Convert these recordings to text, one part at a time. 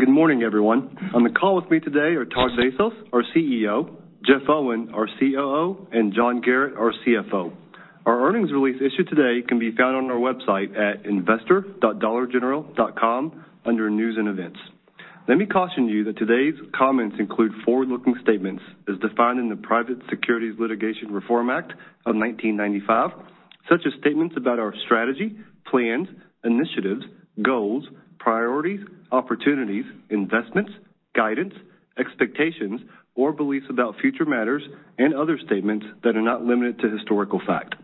Good morning, everyone? On the call with me today are Todd Vasos, our Chief Executive Officer, Jeff Owen, our Chief Operating Officer, and John Garratt, our Chief Financial Officer. Our earnings release issued today can be found on our website at investor.dollargeneral.com under News and Events. Let me caution you that today's comments include forward-looking statements as defined in the Private Securities Litigation Reform Act of 1995, such as statements about our strategy, plans, initiatives, goals, priorities, opportunities, investments, guidance, expectations, or beliefs about future matters and other statements that are not limited to historical fact.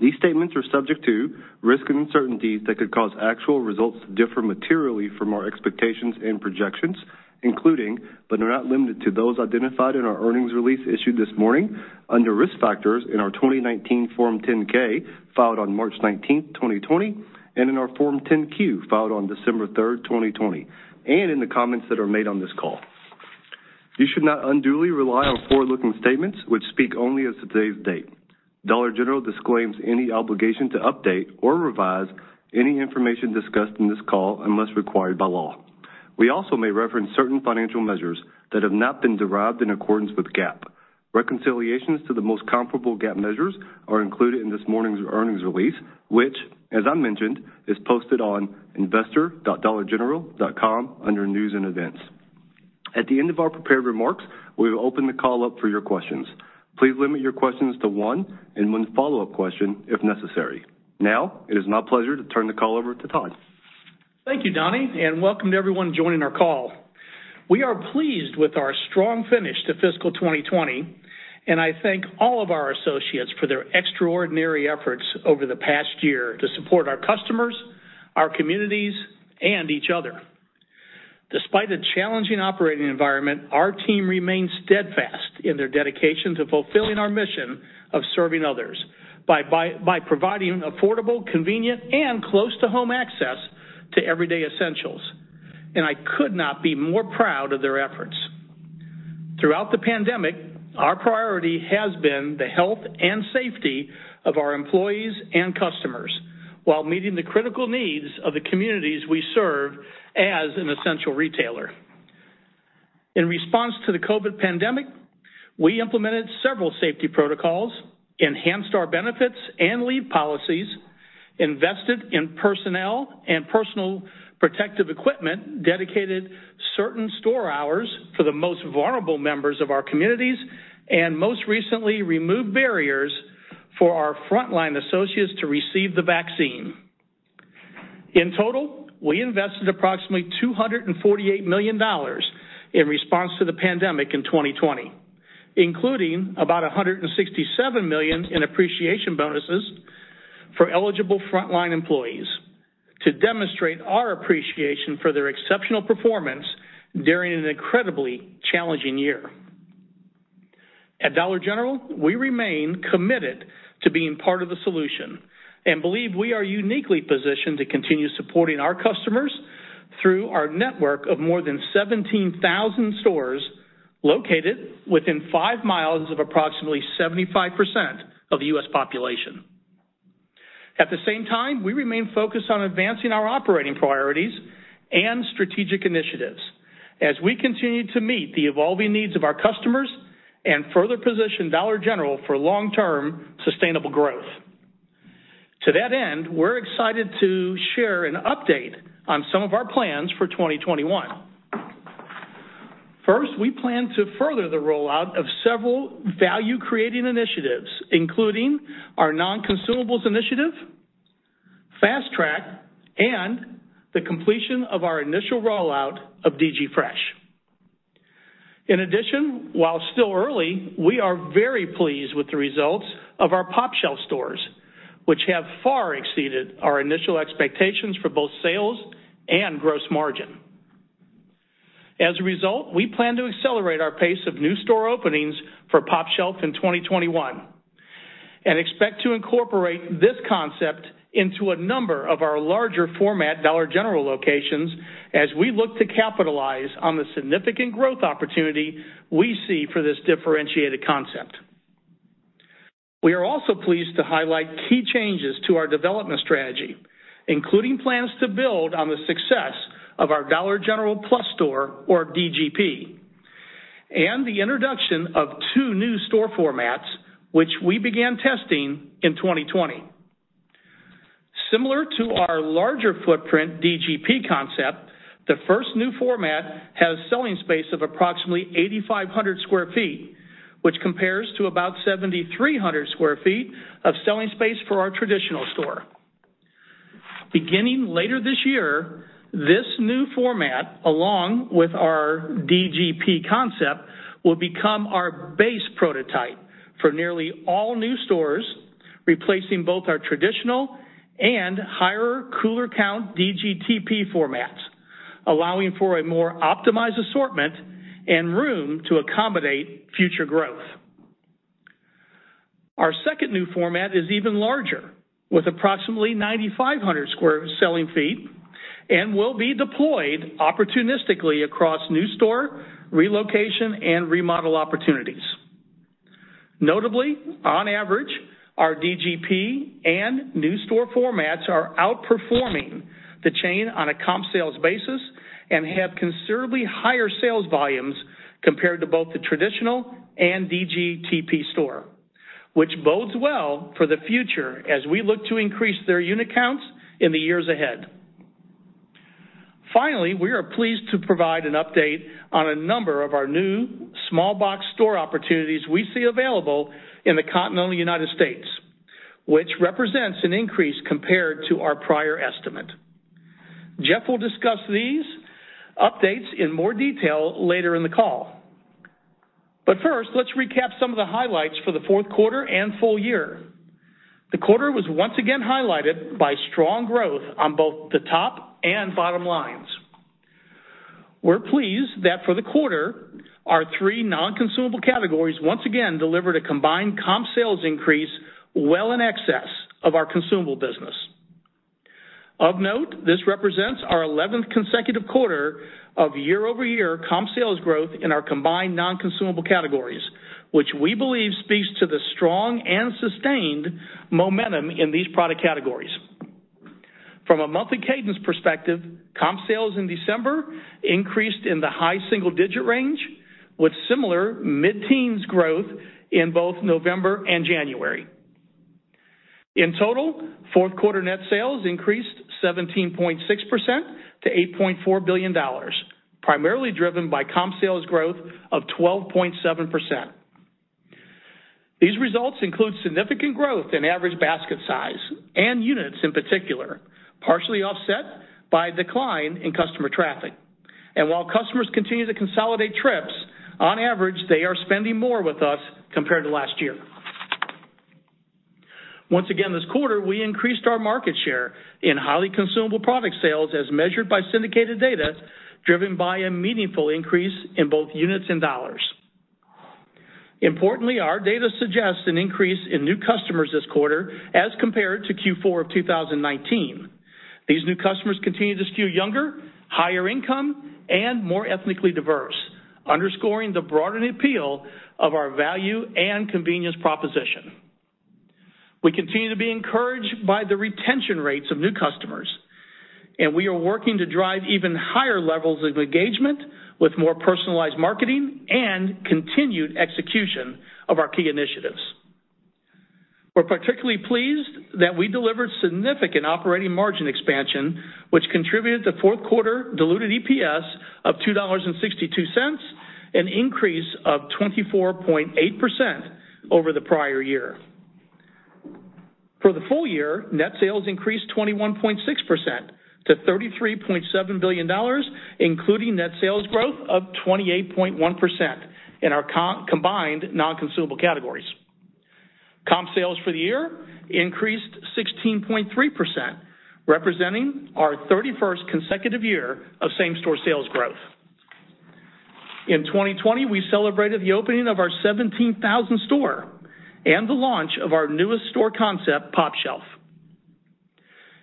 These statements are subject to risks and uncertainties that could cause actual results to differ materially from our expectations and projections, including, but not limited to, those identified in our earnings release issued this morning under Risk Factors in our 2019 Form 10-K filed on March 19, 2020, and in our Form 10-Q filed on December 3, 2020, and in the comments that are made on this call. You should not unduly rely on forward-looking statements, which speak only as of today's date. Dollar General disclaims any obligation to update or revise any information discussed on this call unless required by law. We also may reference certain financial measures that have not been derived in accordance with GAAP. Reconciliations to the most comparable GAAP measures are included in this morning's earnings release, which as I mentioned, is posted on investor.dollargeneral.com under News & Events. At the end of our prepared remarks, we will open the call up for your questions. Please limit your questions to one, and one follow-up question if necessary. Now, it is my pleasure to turn the call over to Todd. Thank you, Donny. Welcome to everyone joining our call. We are pleased with our strong finish to fiscal 2020, and I thank all of our associates for their extraordinary efforts over the past year to support our customers, our communities, and each other. Despite a challenging operating environment, our team remains steadfast in their dedication to fulfilling our mission of serving others by providing affordable, convenient, and close-to-home access to everyday essentials, and I could not be more proud of their efforts. Throughout the pandemic, our priority has been the health and safety of our employees and customers while meeting the critical needs of the communities we serve as an essential retailer. In response to the COVID-19 pandemic, we implemented several safety protocols, enhanced our benefits and leave policies, invested in personnel and personal protective equipment, dedicated certain store hours for the most vulnerable members of our communities, and most recently, removed barriers for our frontline associates to receive the vaccine. In total, we invested approximately $248 million in response to the pandemic in 2020, including about $167 million in appreciation bonuses for eligible frontline employees to demonstrate our appreciation for their exceptional performance during an incredibly challenging year. At Dollar General, we remain committed to being part of the solution and believe we are uniquely positioned to continue supporting our customers through our network of more than 17,000 stores located within five miles of approximately 75% of the U.S. population. At the same time, we remain focused on advancing our operating priorities and strategic initiatives as we continue to meet the evolving needs of our customers and further position Dollar General for long-term sustainable growth. To that end, we're excited to share an update on some of our plans for 2021. First, we plan to further the rollout of several value-creating initiatives, including our Non-Consumables Initiative, Fast Track, and the completion of our initial rollout of DG Fresh. In addition, while still early, we are very pleased with the results of our pOpshelf stores, which have far exceeded our initial expectations for both sales and gross margin. As a result, we plan to accelerate our pace of new store openings for pOpshelf in 2021 and expect to incorporate this concept into a number of our larger format Dollar General locations as we look to capitalize on the significant growth opportunity we see for this differentiated concept. We are also pleased to highlight key changes to our development strategy, including plans to build on the success of our Dollar General Plus store, or DGP, and the introduction of two new store formats, which we began testing in 2020. Similar to our larger footprint DGP concept, the first new format has selling space of approximately 8,500 sq ft, which compares to about 7,300 sq ft of selling space for our traditional store. Beginning later this year, this new format, along with our DGP concept, will become our base prototype for nearly all new stores, replacing both our traditional and higher cooler count DGTP formats, allowing for a more optimized assortment and room to accommodate future growth. Our second new format is even larger, with approximately 9,500 square selling feet, and will be deployed opportunistically across new store relocation and remodel opportunities. Notably, on average, our DGP and new store formats are outperforming the chain on a comp sales basis and have considerably higher sales volumes compared to both the traditional and DGTP store, which bodes well for the future as we look to increase their unit counts in the years ahead. Finally, we are pleased to provide an update on a number of our new small box store opportunities we see available in the continental U.S., which represents an increase compared to our prior estimate. Jeff will discuss these updates in more detail later in the call. First, let's recap some of the highlights for the fourth quarter and full year. The quarter was once again highlighted by strong growth on both the top and bottom lines. We're pleased that for the quarter, our three non-consumable categories once again delivered a combined comp sales increase well in excess of our consumable business. Of note, this represents our 11th consecutive quarter of year-over-year comp sales growth in our combined non-consumable categories, which we believe speaks to the strong and sustained momentum in these product categories. From a monthly cadence perspective, comp sales in December increased in the high single-digit range, with similar mid-teens growth in both November and January. In total, fourth quarter net sales increased 17.6% to $8.4 billion, primarily driven by comp sales growth of 12.7%. These results include significant growth in average basket size and units in particular, partially offset by a decline in customer traffic. While customers continue to consolidate trips, on average, they are spending more with us compared to last year. Once again this quarter, we increased our market share in highly consumable product sales as measured by syndicated data, driven by a meaningful increase in both units and dollars. Importantly, our data suggests an increase in new customers this quarter as compared to Q4 of 2019. These new customers continue to skew younger, higher income, and more ethnically diverse, underscoring the broadened appeal of our value and convenience proposition. We continue to be encouraged by the retention rates of new customers, and we are working to drive even higher levels of engagement with more personalized marketing and continued execution of our key initiatives. We're particularly pleased that we delivered significant operating margin expansion, which contributed to fourth quarter diluted EPS of $2.62, an increase of 24.8% over the prior year. For the full year, net sales increased 21.6% to $33.7 billion, including net sales growth of 28.1% in our combined non-consumable categories. Comp sales for the year increased 16.3%, representing our 31st consecutive year of same-store sales growth. In 2020, we celebrated the opening of our 17,000th store and the launch of our newest store concept, pOpshelf.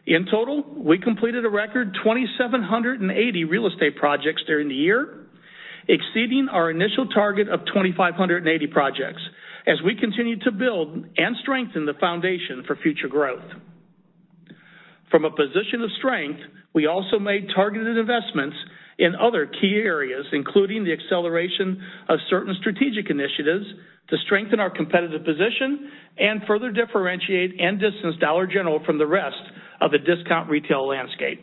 In total, we completed a record 2,780 real estate projects during the year, exceeding our initial target of 2,580 projects, as we continued to build and strengthen the foundation for future growth. From a position of strength, we also made targeted investments in other key areas, including the acceleration of certain strategic initiatives to strengthen our competitive position and further differentiate and distance Dollar General from the rest of the discount retail landscape.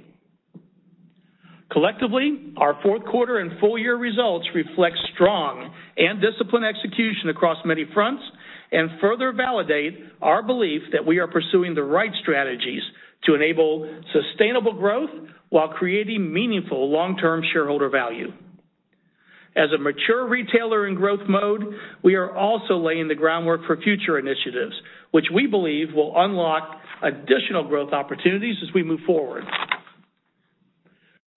Collectively, our fourth quarter and full-year results reflect strong and disciplined execution across many fronts and further validate our belief that we are pursuing the right strategies to enable sustainable growth while creating meaningful long-term shareholder value. As a mature retailer in growth mode, we are also laying the groundwork for future initiatives, which we believe will unlock additional growth opportunities as we move forward.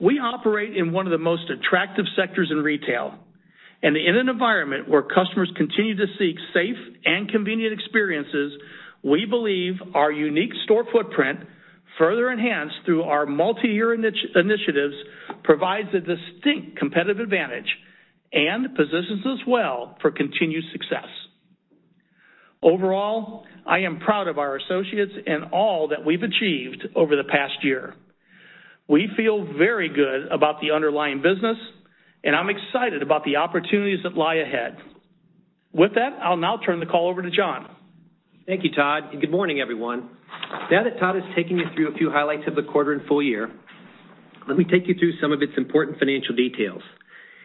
We operate in one of the most attractive sectors in retail, and in an environment where customers continue to seek safe and convenient experiences, we believe our unique store footprint, further enhanced through our multi-year initiatives, provides a distinct competitive advantage and positions us well for continued success. Overall, I am proud of our associates and all that we've achieved over the past year. We feel very good about the underlying business, and I'm excited about the opportunities that lie ahead. With that, I'll now turn the call over to John. Thank you, Todd. Good morning, everyone. Now that Todd has taken you through a few highlights of the quarter and full year, let me take you through some of its important financial details.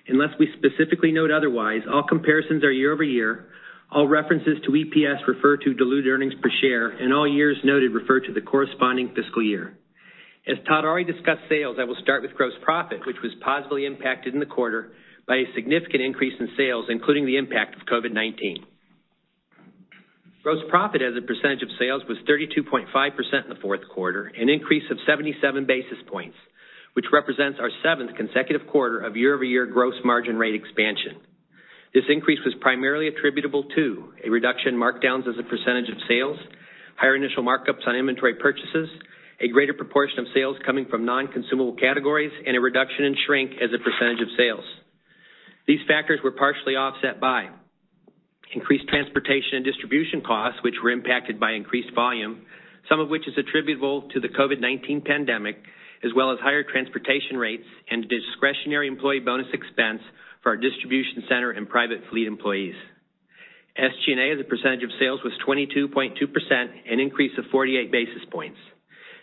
Unless we specifically note otherwise, all comparisons are year-over-year, all references to EPS refer to diluted earnings per share, and all years noted refer to the corresponding fiscal year. As Todd already discussed sales, I will start with gross profit, which was positively impacted in the quarter by a significant increase in sales, including the impact of COVID-19. Gross profit as a percentage of sales was 32.5% in the fourth quarter, an increase of 77 basis points, which represents our seventh consecutive quarter of year-over-year gross margin rate expansion. This increase was primarily attributable to a reduction in markdowns as a percentage of sales, higher initial markups on inventory purchases, a greater proportion of sales coming from non-consumable categories, and a reduction in shrink as a percentage of sales. These factors were partially offset by increased transportation and distribution costs, which were impacted by increased volume, some of which is attributable to the COVID-19 pandemic, as well as higher transportation rates and discretionary employee bonus expense for our distribution center and private fleet employees. SG&A as a percentage of sales was 22.2%, an increase of 48 basis points.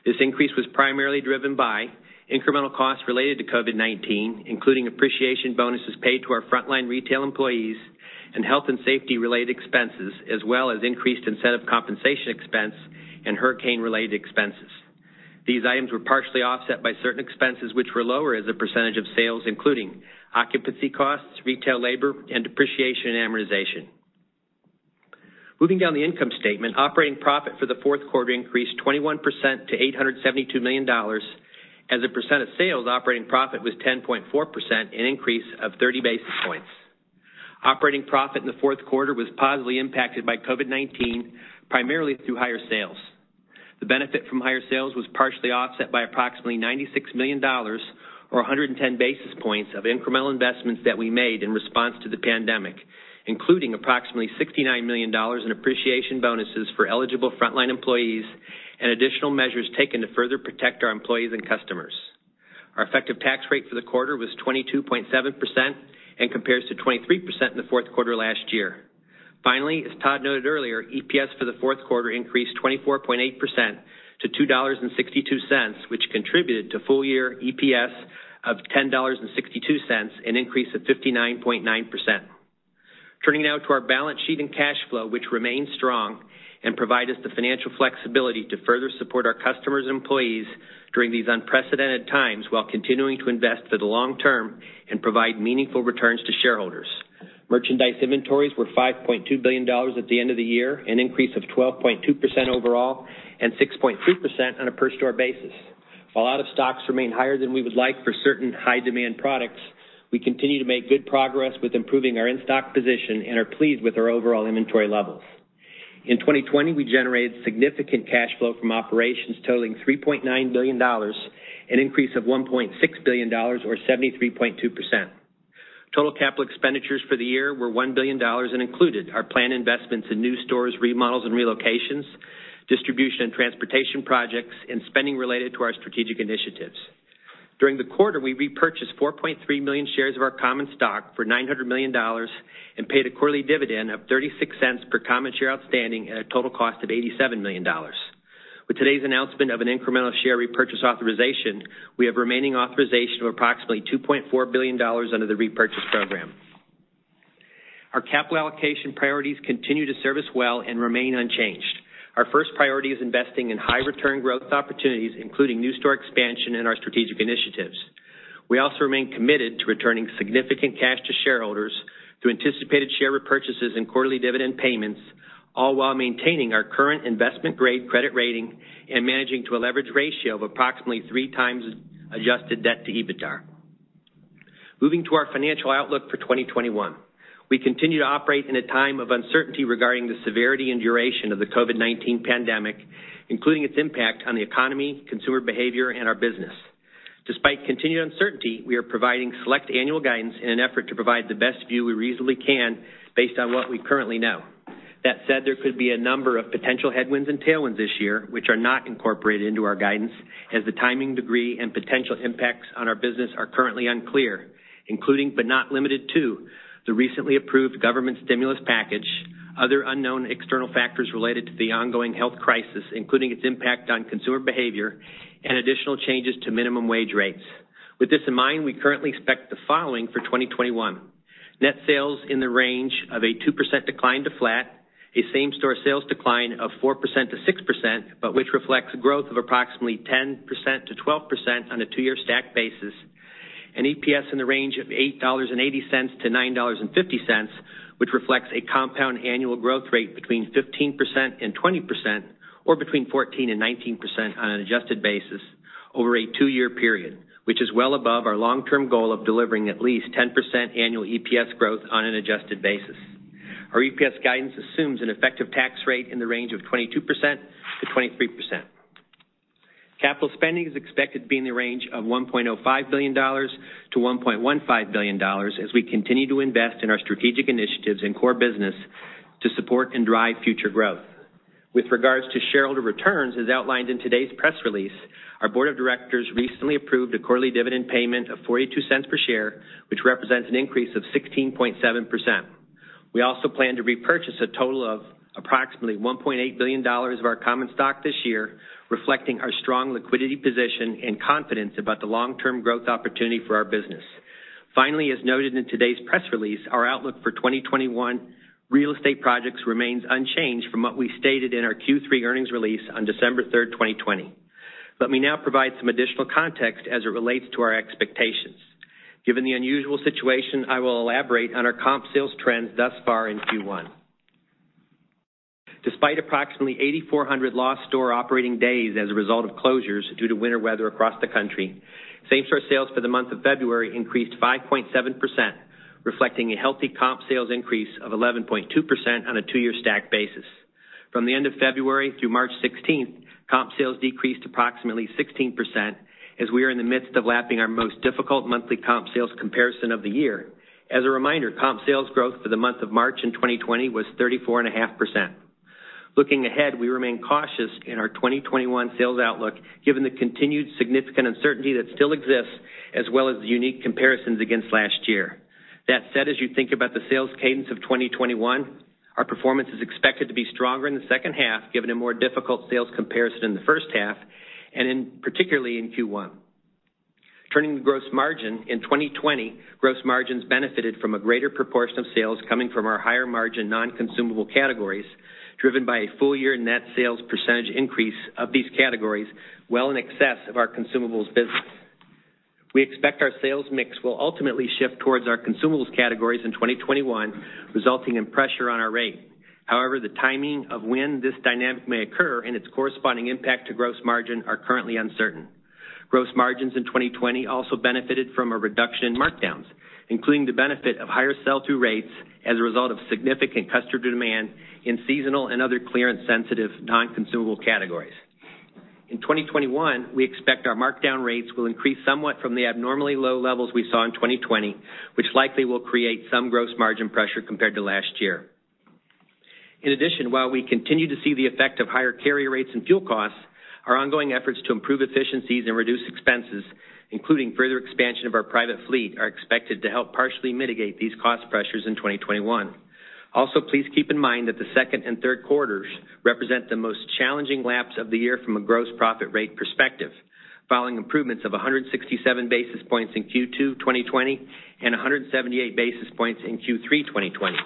This increase was primarily driven by incremental costs related to COVID-19, including appreciation bonuses paid to our frontline retail employees and health and safety-related expenses, as well as increased incentive compensation expense and hurricane-related expenses. These items were partially offset by certain expenses which were lower as a percentage of sales, including occupancy costs, retail labor, and depreciation and amortization. Moving down the income statement, operating profit for the fourth quarter increased 21% to $872 million. As a percent of sales, operating profit was 10.4%, an increase of 30 basis points. Operating profit in the fourth quarter was positively impacted by COVID-19, primarily through higher sales. The benefit from higher sales was partially offset by approximately $96 million or 110 basis points of incremental investments that we made in response to the pandemic, including approximately $69 million in appreciation bonuses for eligible frontline employees and additional measures taken to further protect our employees and customers. Our effective tax rate for the quarter was 22.7% and compares to 23% in the fourth quarter last year. Finally, as Todd noted earlier, EPS for the fourth quarter increased 24.8% to $2.62, which contributed to full year EPS of $10.62, an increase of 59.9%. Turning now to our balance sheet and cash flow, which remain strong and provide us the financial flexibility to further support our customers and employees during these unprecedented times, while continuing to invest for the long term and provide meaningful returns to shareholders. Merchandise inventories were $5.2 billion at the end of the year, an increase of 12.2% overall and 6.3% on a per store basis. While out of stocks remain higher than we would like for certain high-demand products, we continue to make good progress with improving our in-stock position and are pleased with our overall inventory levels. In 2020, we generated significant cash flow from operations totaling $3.9 billion, an increase of $1.6 billion or 73.2%. Total capital expenditures for the year were $1 billion and included our planned investments in new stores, remodels, and relocations, distribution and transportation projects, and spending related to our strategic initiatives. During the quarter, we repurchased 4.3 million shares of our common stock for $900 million and paid a quarterly dividend of $0.36 per common share outstanding at a total cost of $87 million. With today's announcement of an incremental share repurchase authorization, we have remaining authorization of approximately $2.4 billion under the repurchase program. Our capital allocation priorities continue to serve us well and remain unchanged. Our first priority is investing in high return growth opportunities, including new store expansion and our strategic initiatives. We also remain committed to returning significant cash to shareholders through anticipated share repurchases and quarterly dividend payments, all while maintaining our current investment-grade credit rating and managing to a leverage ratio of approximately 3x adjusted debt to EBITDA. Moving to our financial outlook for 2021. We continue to operate in a time of uncertainty regarding the severity and duration of the COVID-19 pandemic, including its impact on the economy, consumer behavior, and our business. Despite continued uncertainty, we are providing select annual guidance in an effort to provide the best view we reasonably can based on what we currently know. That said, there could be a number of potential headwinds and tailwinds this year which are not incorporated into our guidance, as the timing, degree, and potential impacts on our business are currently unclear, including, but not limited to, the recently approved government stimulus package, other unknown external factors related to the ongoing health crisis, including its impact on consumer behavior, and additional changes to minimum wage rates. With this in mind, we currently expect the following for 2021: net sales in the range of a 2% decline to flat, a same store sales decline of 4%-6%, but which reflects growth of approximately 10%-12% on a two-year stack basis, and EPS in the range of $8.80-$9.50, which reflects a compound annual growth rate between 15% and 20%, or between 14% and 19% on an adjusted basis over a two-year period, which is well above our long-term goal of delivering at least 10% annual EPS growth on an adjusted basis. Our EPS guidance assumes an effective tax rate in the range of 22%-23%. Capital spending is expected to be in the range of $1.05 billion-$1.15 billion as we continue to invest in our strategic initiatives and core business to support and drive future growth. With regards to shareholder returns, as outlined in today's press release, our Board of Directors recently approved a quarterly dividend payment of $0.42 per share, which represents an increase of 16.7%. We also plan to repurchase a total of approximately $1.8 billion of our common stock this year, reflecting our strong liquidity position and confidence about the long-term growth opportunity for our business. Finally, as noted in today's press release, our outlook for 2021 real estate projects remains unchanged from what we stated in our Q3 earnings release on December 3, 2020. Let me now provide some additional context as it relates to our expectations. Given the unusual situation, I will elaborate on our comp sales trends thus far in Q1. Despite approximately 8,400 lost store operating days as a result of closures due to winter weather across the country, same store sales for the month of February increased 5.7%, reflecting a healthy comp sales increase of 11.2% on a two-year stack basis. From the end of February through March 16, comp sales decreased approximately 16% as we are in the midst of lapping our most difficult monthly comp sales comparison of the year. As a reminder, comp sales growth for the month of March in 2020 was 34.5%. Looking ahead, we remain cautious in our 2021 sales outlook, given the continued significant uncertainty that still exists, as well as the unique comparisons against last year. That said, as you think about the sales cadence of 2021, our performance is expected to be stronger in the second half, given a more difficult sales comparison in the first half, and particularly in Q1. Turning to gross margin, in 2020, gross margins benefited from a greater proportion of sales coming from our higher margin non-consumable categories, driven by a full-year net sales percentage increase of these categories well in excess of our consumables business. We expect our sales mix will ultimately shift towards our consumables categories in 2021, resulting in pressure on our rate. However, the timing of when this dynamic may occur and its corresponding impact to gross margin are currently uncertain. Gross margins in 2020 also benefited from a reduction in markdowns, including the benefit of higher sell-through rates as a result of significant customer demand in seasonal and other clearance-sensitive non-consumable categories. In 2021, we expect our markdown rates will increase somewhat from the abnormally low levels we saw in 2020, which likely will create some gross margin pressure compared to last year. In addition, while we continue to see the effect of higher carrier rates and fuel costs, our ongoing efforts to improve efficiencies and reduce expenses, including further expansion of our private fleet, are expected to help partially mitigate these cost pressures in 2021. Also, please keep in mind that the second and third quarters represent the most challenging laps of the year from a gross profit rate perspective, following improvements of 167 basis points in Q2 2020 and 178 basis points in Q3 2020.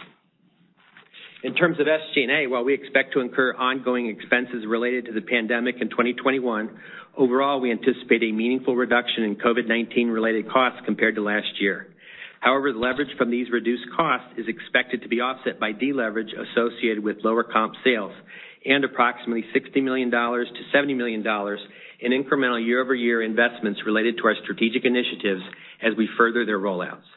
In terms of SG&A, while we expect to incur ongoing expenses related to the pandemic in 2021, overall, we anticipate a meaningful reduction in COVID-19 related costs compared to last year. However, the leverage from these reduced costs is expected to be offset by deleverage associated with lower comp sales and approximately $60 million-$70 million in incremental year-over-year investments related to our strategic initiatives as we further their roll-outs.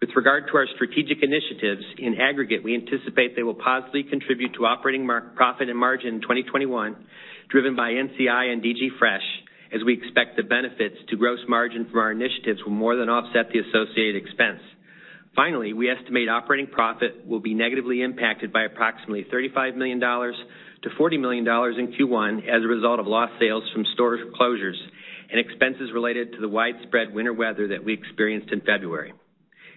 With regard to our strategic initiatives, in aggregate, we anticipate they will positively contribute to operating profit and margin in 2021, driven by NCI and DG Fresh, as we expect the benefits to gross margin from our initiatives will more than offset the associated expense. Finally, we estimate operating profit will be negatively impacted by approximately $35 million-$40 million in Q1 as a result of lost sales from store closures and expenses related to the widespread winter weather that we experienced in February.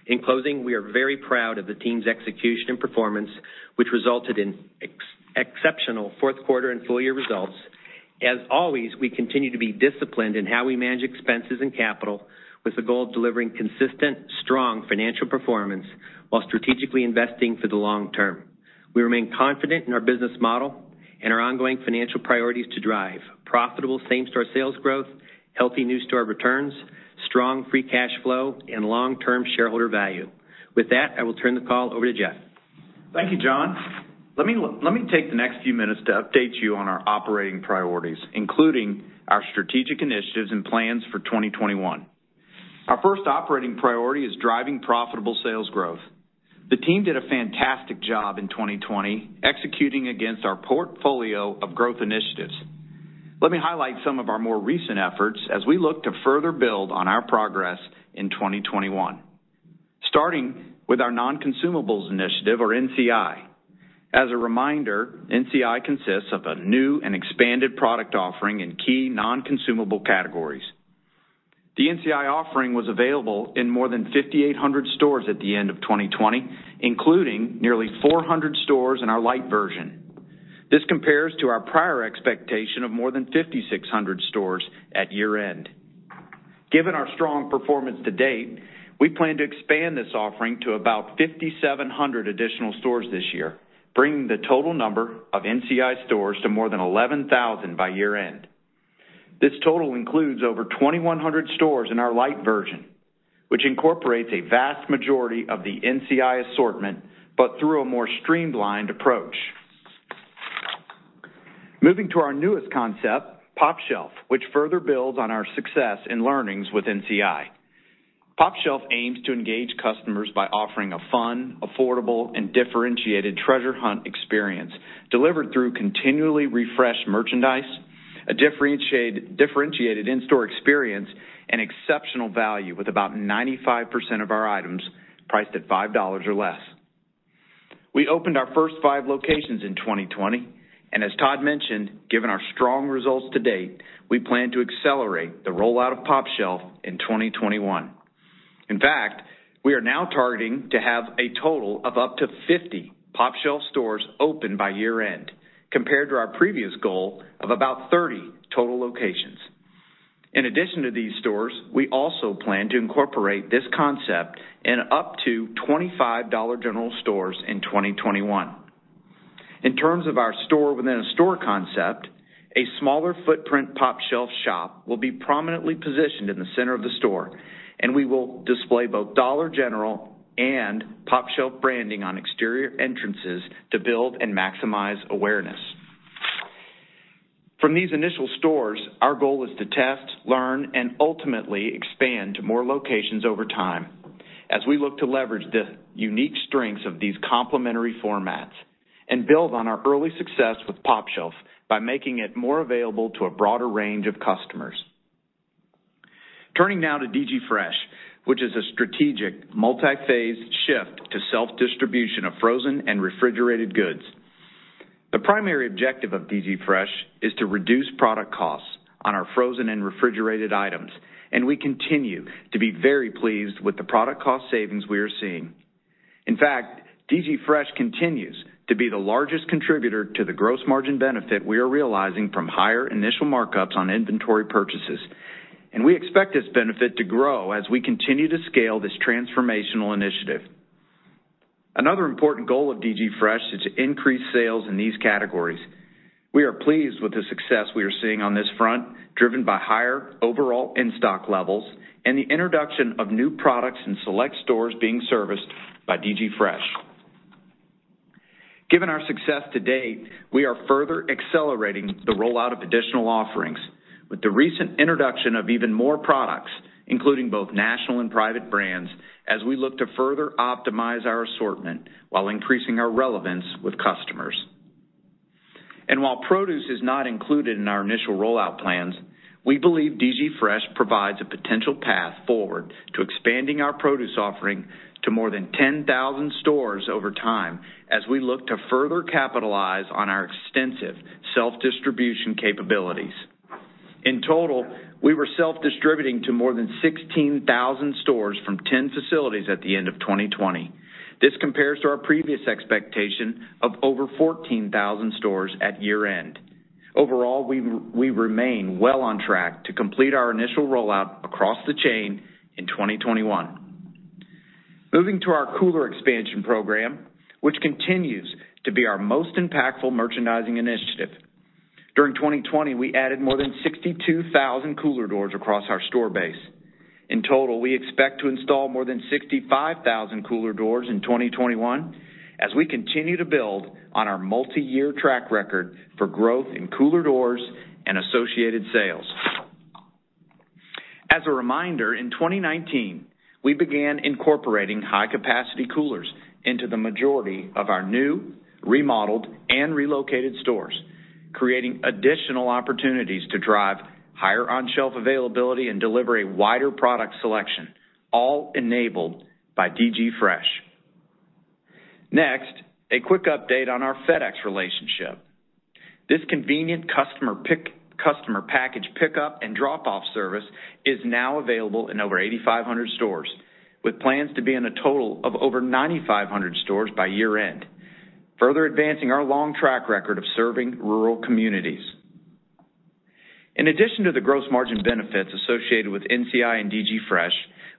In closing, we are very proud of the team's execution and performance, which resulted in exceptional fourth quarter and full-year results. As always, we continue to be disciplined in how we manage expenses and capital with the goal of delivering consistent, strong financial performance while strategically investing for the long term. We remain confident in our business model and our ongoing financial priorities to drive profitable same-store sales growth, healthy new store returns, strong free cash flow, and long-term shareholder value. With that, I will turn the call over to Jeff. Thank you, John. Let me take the next few minutes to update you on our operating priorities, including our strategic initiatives and plans for 2021. Our first operating priority is driving profitable sales growth. The team did a fantastic job in 2020, executing against our portfolio of growth initiatives. Let me highlight some of our more recent efforts as we look to further build on our progress in 2021. Starting with our non-consumables initiative, or NCI. As a reminder, NCI consists of a new and expanded product offering in key non-consumable categories. The NCI offering was available in more than 5,800 stores at the end of 2020, including nearly 400 stores in our lite version. This compares to our prior expectation of more than 5,600 stores at year-end. Given our strong performance to date, we plan to expand this offering to about 5,700 additional stores this year, bringing the total number of NCI stores to more than 11,000 by year-end. This total includes over 2,100 stores in our lite version, which incorporates a vast majority of the NCI assortment, but through a more streamlined approach. Moving to our newest concept, pOpshelf, which further builds on our success and learnings with NCI. pOpshelf aims to engage customers by offering a fun, affordable, and differentiated treasure hunt experience delivered through continually refreshed merchandise, a differentiated in-store experience, and exceptional value with about 95% of our items priced at $5 or less. We opened our first five locations in 2020, and as Todd mentioned, given our strong results to date, we plan to accelerate the rollout of pOpshelf in 2021. In fact, we are now targeting to have a total of up to 50 pOpshelf stores open by year-end, compared to our previous goal of about 30 total locations. In addition to these stores, we also plan to incorporate this concept in up to 25 Dollar General stores in 2021. In terms of our store within a store concept, a smaller footprint pOpshelf shop will be prominently positioned in the center of the store, and we will display both Dollar General and pOpshelf branding on exterior entrances to build and maximize awareness. From these initial stores, our goal is to test, learn, and ultimately expand to more locations over time as we look to leverage the unique strengths of these complementary formats and build on our early success with pOpshelf by making it more available to a broader range of customers. Turning now to DG Fresh, which is a strategic multi-phase shift to self-distribution of frozen and refrigerated goods. The primary objective of DG Fresh is to reduce product costs on our frozen and refrigerated items, and we continue to be very pleased with the product cost savings we are seeing. In fact, DG Fresh continues to be the largest contributor to the gross margin benefit we are realizing from higher initial markups on inventory purchases, and we expect this benefit to grow as we continue to scale this transformational initiative. Another important goal of DG Fresh is to increase sales in these categories. We are pleased with the success we are seeing on this front, driven by higher overall in-stock levels and the introduction of new products in select stores being serviced by DG Fresh. Given our success to date, we are further accelerating the rollout of additional offerings with the recent introduction of even more products, including both national and private brands, as we look to further optimize our assortment while increasing our relevance with customers. While produce is not included in our initial rollout plans, we believe DG Fresh provides a potential path forward to expanding our produce offering to more than 10,000 stores over time as we look to further capitalize on our extensive self-distribution capabilities. In total, we were self-distributing to more than 16,000 stores from 10 facilities at the end of 2020. This compares to our previous expectation of over 14,000 stores at year-end. Overall, we remain well on track to complete our initial rollout across the chain in 2021. Moving to our cooler expansion program, which continues to be our most impactful merchandising initiative. During 2020, we added more than 62,000 cooler doors across our store base. We expect to install more than 65,000 cooler doors in 2021 as we continue to build on our multi-year track record for growth in cooler doors and associated sales. As a reminder, in 2019, we began incorporating high-capacity coolers into the majority of our new, remodeled, and relocated stores, creating additional opportunities to drive higher on-shelf availability and deliver a wider product selection, all enabled by DG Fresh. A quick update on our FedEx relationship. This convenient customer-pick customer-package pickup and drop-off service is now available in over 8,500 stores, with plans to be in a total of over 9,500 stores by year-end, further advancing our long track record of serving rural communities. In addition to the gross margin benefits associated with NCI and DG Fresh,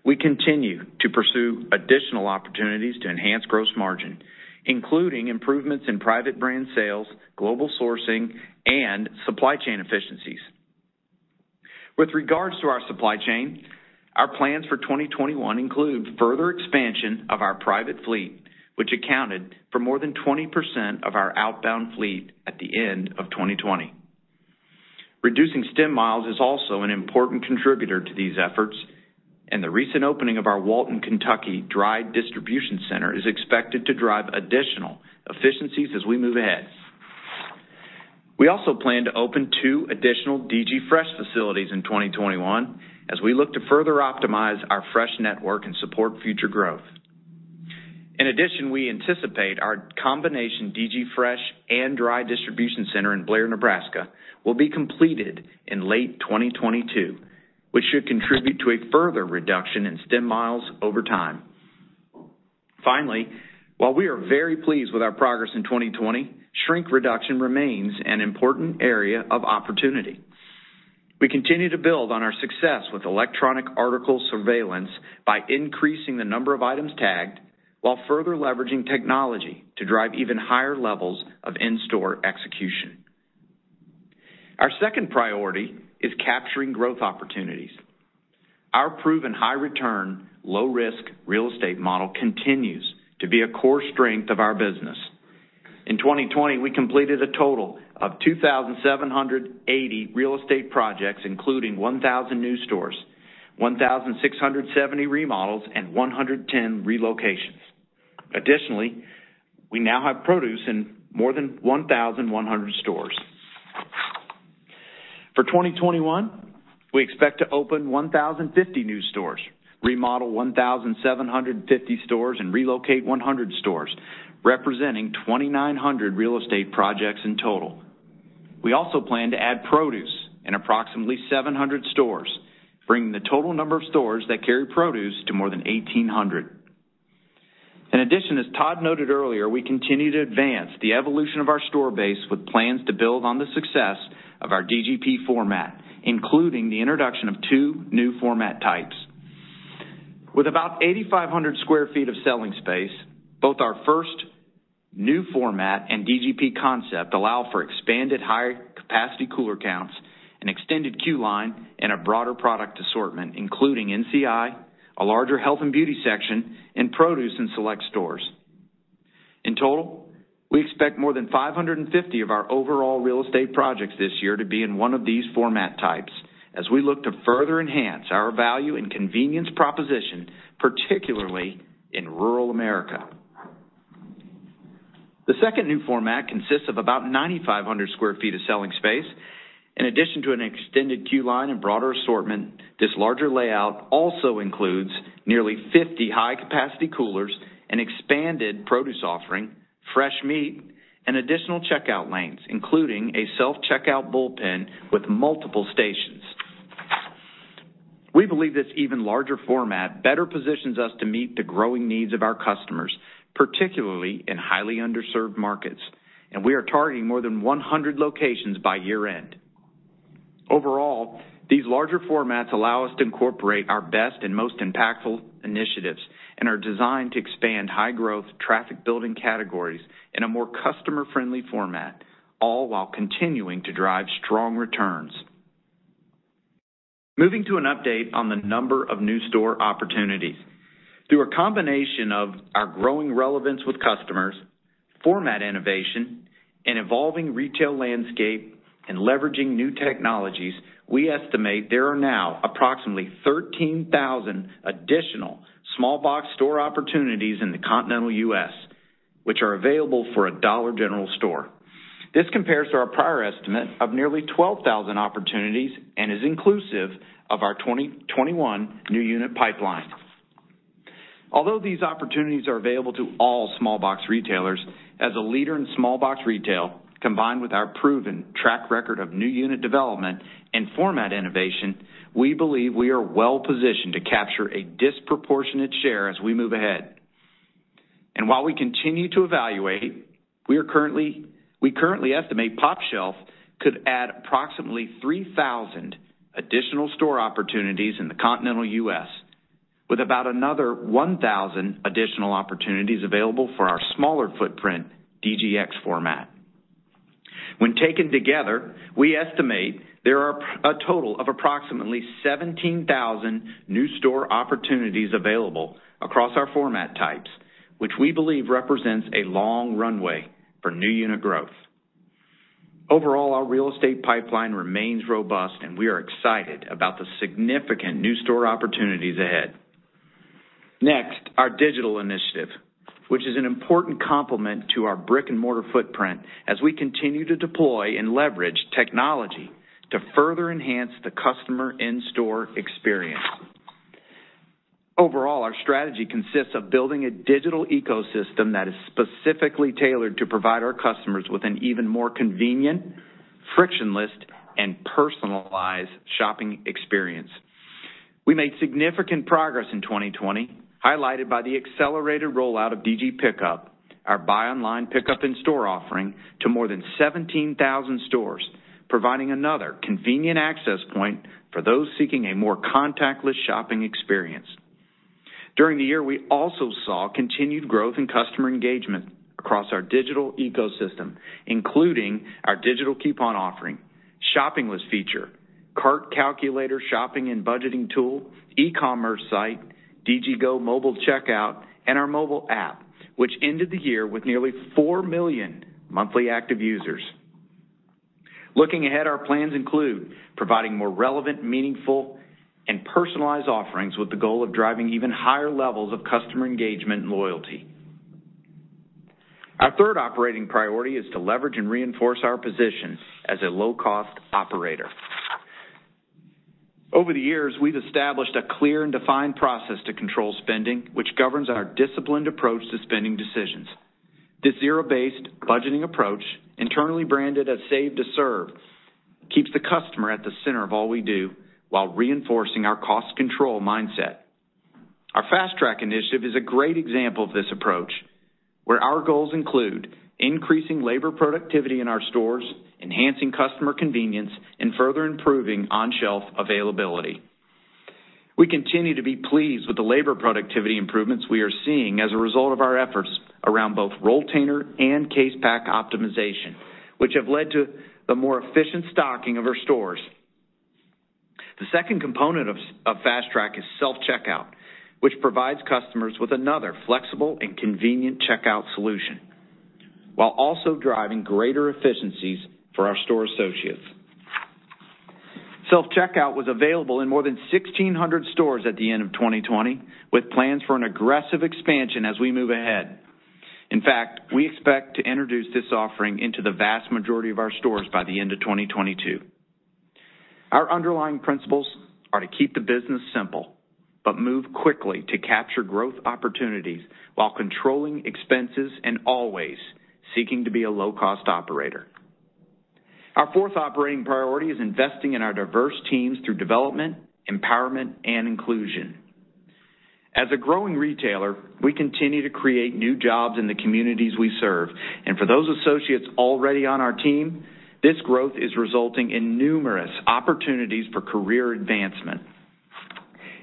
we continue to pursue additional opportunities to enhance gross margin, including improvements in private brand sales, global sourcing, and supply chain efficiencies. With regards to our supply chain, our plans for 2021 include further expansion of our private fleet, which accounted for more than 20% of our outbound fleet at the end of 2020. Reducing stem miles is also an important contributor to these efforts, and the recent opening of our Walton, Kentucky dry distribution center is expected to drive additional efficiencies as we move ahead. We also plan to open two additional DG Fresh facilities in 2021 as we look to further optimize our fresh network and support future growth. In addition, we anticipate our combination DG Fresh and dry distribution center in Blair, Nebraska will be completed in late 2022, which should contribute to a further reduction in stem miles over time. Finally, while we are very pleased with our progress in 2020, shrink reduction remains an important area of opportunity. We continue to build on our success with electronic article surveillance by increasing the number of items tagged while further leveraging technology to drive even higher levels of in-store execution. Our second priority is capturing growth opportunities. Our proven high return, low risk real estate model continues to be a core strength of our business. In 2020, we completed a total of 2,780 real estate projects, including 1,000 new stores, 1,670 remodels, and 110 relocations. Additionally, we now have produce in more than 1,100 stores. For 2021, we expect to open 1,050 new stores, remodel 1,750 stores, and relocate 100 stores, representing 2,900 real estate projects in total. We also plan to add produce in approximately 700 stores, bringing the total number of stores that carry produce to more than 1,800. In addition, as Todd noted earlier, we continue to advance the evolution of our store base with plans to build on the success of our DGP format, including the introduction of two new format types. With about 8,500 sq ft of selling space, both our first new format and DGP concept allow for expanded higher capacity cooler counts and extended queue line and a broader product assortment, including NCI, a larger health and beauty section, and produce in select stores. In total, we expect more than 550 of our overall real estate projects this year to be in one of these format types as we look to further enhance our value and convenience proposition, particularly in rural America. The second new format consists of about 9,500 sq ft of selling space. In addition to an extended queue line and broader assortment, this larger layout also includes nearly 50 high-capacity coolers, an expanded produce offering, fresh meat, and additional checkout lanes, including a self-checkout bullpen with multiple stations. We believe this even larger format better positions us to meet the growing needs of our customers, particularly in highly underserved markets, and we are targeting more than 100 locations by year-end. Overall, these larger formats allow us to incorporate our best and most impactful initiatives and are designed to expand high-growth, traffic-building categories in a more customer-friendly format, all while continuing to drive strong returns. Moving to an update on the number of new store opportunities. Through a combination of our growing relevance with customers, format innovation, and evolving retail landscape, and leveraging new technologies, we estimate there are now approximately 13,000 additional small box store opportunities in the continental U.S., which are available for a Dollar General store. This compares to our prior estimate of nearly 12,000 opportunities and is inclusive of our 2021 new unit pipeline. Although these opportunities are available to all small box retailers, as a leader in small box retail, combined with our proven track record of new unit development and format innovation, we believe we are well-positioned to capture a disproportionate share as we move ahead. While we continue to evaluate, we currently estimate pOpshelf could add approximately 3,000 additional store opportunities in the continental U.S., with about another 1,000 additional opportunities available for our smaller footprint, DGX format. When taken together, we estimate there are a total of approximately 17,000 new store opportunities available across our format types, which we believe represents a long runway for new unit growth. Overall, our real estate pipeline remains robust, and we are excited about the significant new store opportunities ahead. Next, our digital initiative, which is an important complement to our brick-and-mortar footprint as we continue to deploy and leverage technology to further enhance the customer in-store experience. Overall, our strategy consists of building a digital ecosystem that is specifically tailored to provide our customers with an even more convenient, frictionless, and personalized shopping experience. We made significant progress in 2020, highlighted by the accelerated rollout of DG Pickup, our buy online pickup in-store offering, to more than 17,000 stores, providing another convenient access point for those seeking a more contactless shopping experience. During the year, we also saw continued growth in customer engagement across our digital ecosystem, including our digital coupon offering, shopping list feature, cart calculator, shopping and budgeting tool, e-commerce site, DG GO! mobile checkout, and our mobile app, which ended the year with nearly 4 million monthly active users. Looking ahead, our plans include providing more relevant, meaningful, and personalized offerings with the goal of driving even higher levels of customer engagement and loyalty. Our third operating priority is to leverage and reinforce our position as a low-cost operator. Over the years, we've established a clear and defined process to control spending, which governs our disciplined approach to spending decisions. This zero-based budgeting approach, internally branded as Save to Serve, keeps the customer at the center of all we do while reinforcing our cost control mindset. Our Fast Track initiative is a great example of this approach, where our goals include increasing labor productivity in our stores, enhancing customer convenience, and further improving on-shelf availability. We continue to be pleased with the labor productivity improvements we are seeing as a result of our efforts around both rolltainer and case pack optimization, which have led to the more efficient stocking of our stores. The second component of Fast Track is self-checkout, which provides customers with another flexible and convenient checkout solution while also driving greater efficiencies for our store associates. Self-checkout was available in more than 1,600 stores at the end of 2020, with plans for an aggressive expansion as we move ahead. In fact, we expect to introduce this offering into the vast majority of our stores by the end of 2022. Our underlying principles are to keep the business simple but move quickly to capture growth opportunities while controlling expenses and always seeking to be a low-cost operator. Our fourth operating priority is investing in our diverse teams through development, empowerment, and inclusion. As a growing retailer, we continue to create new jobs in the communities we serve. For those associates already on our team, this growth is resulting in numerous opportunities for career advancement.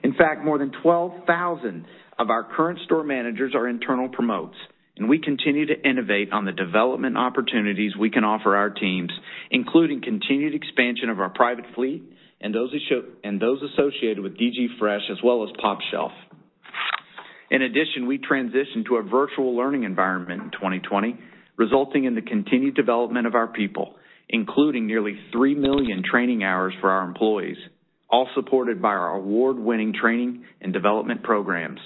In fact, more than 12,000 of our current store managers are internal promotes. We continue to innovate on the development opportunities we can offer our teams, including continued expansion of our private fleet and those associated with DG Fresh as well as pOpshelf. In addition, we transitioned to a virtual learning environment in 2020, resulting in the continued development of our people, including nearly 3 million training hours for our employees, all supported by our award-winning training and development programs.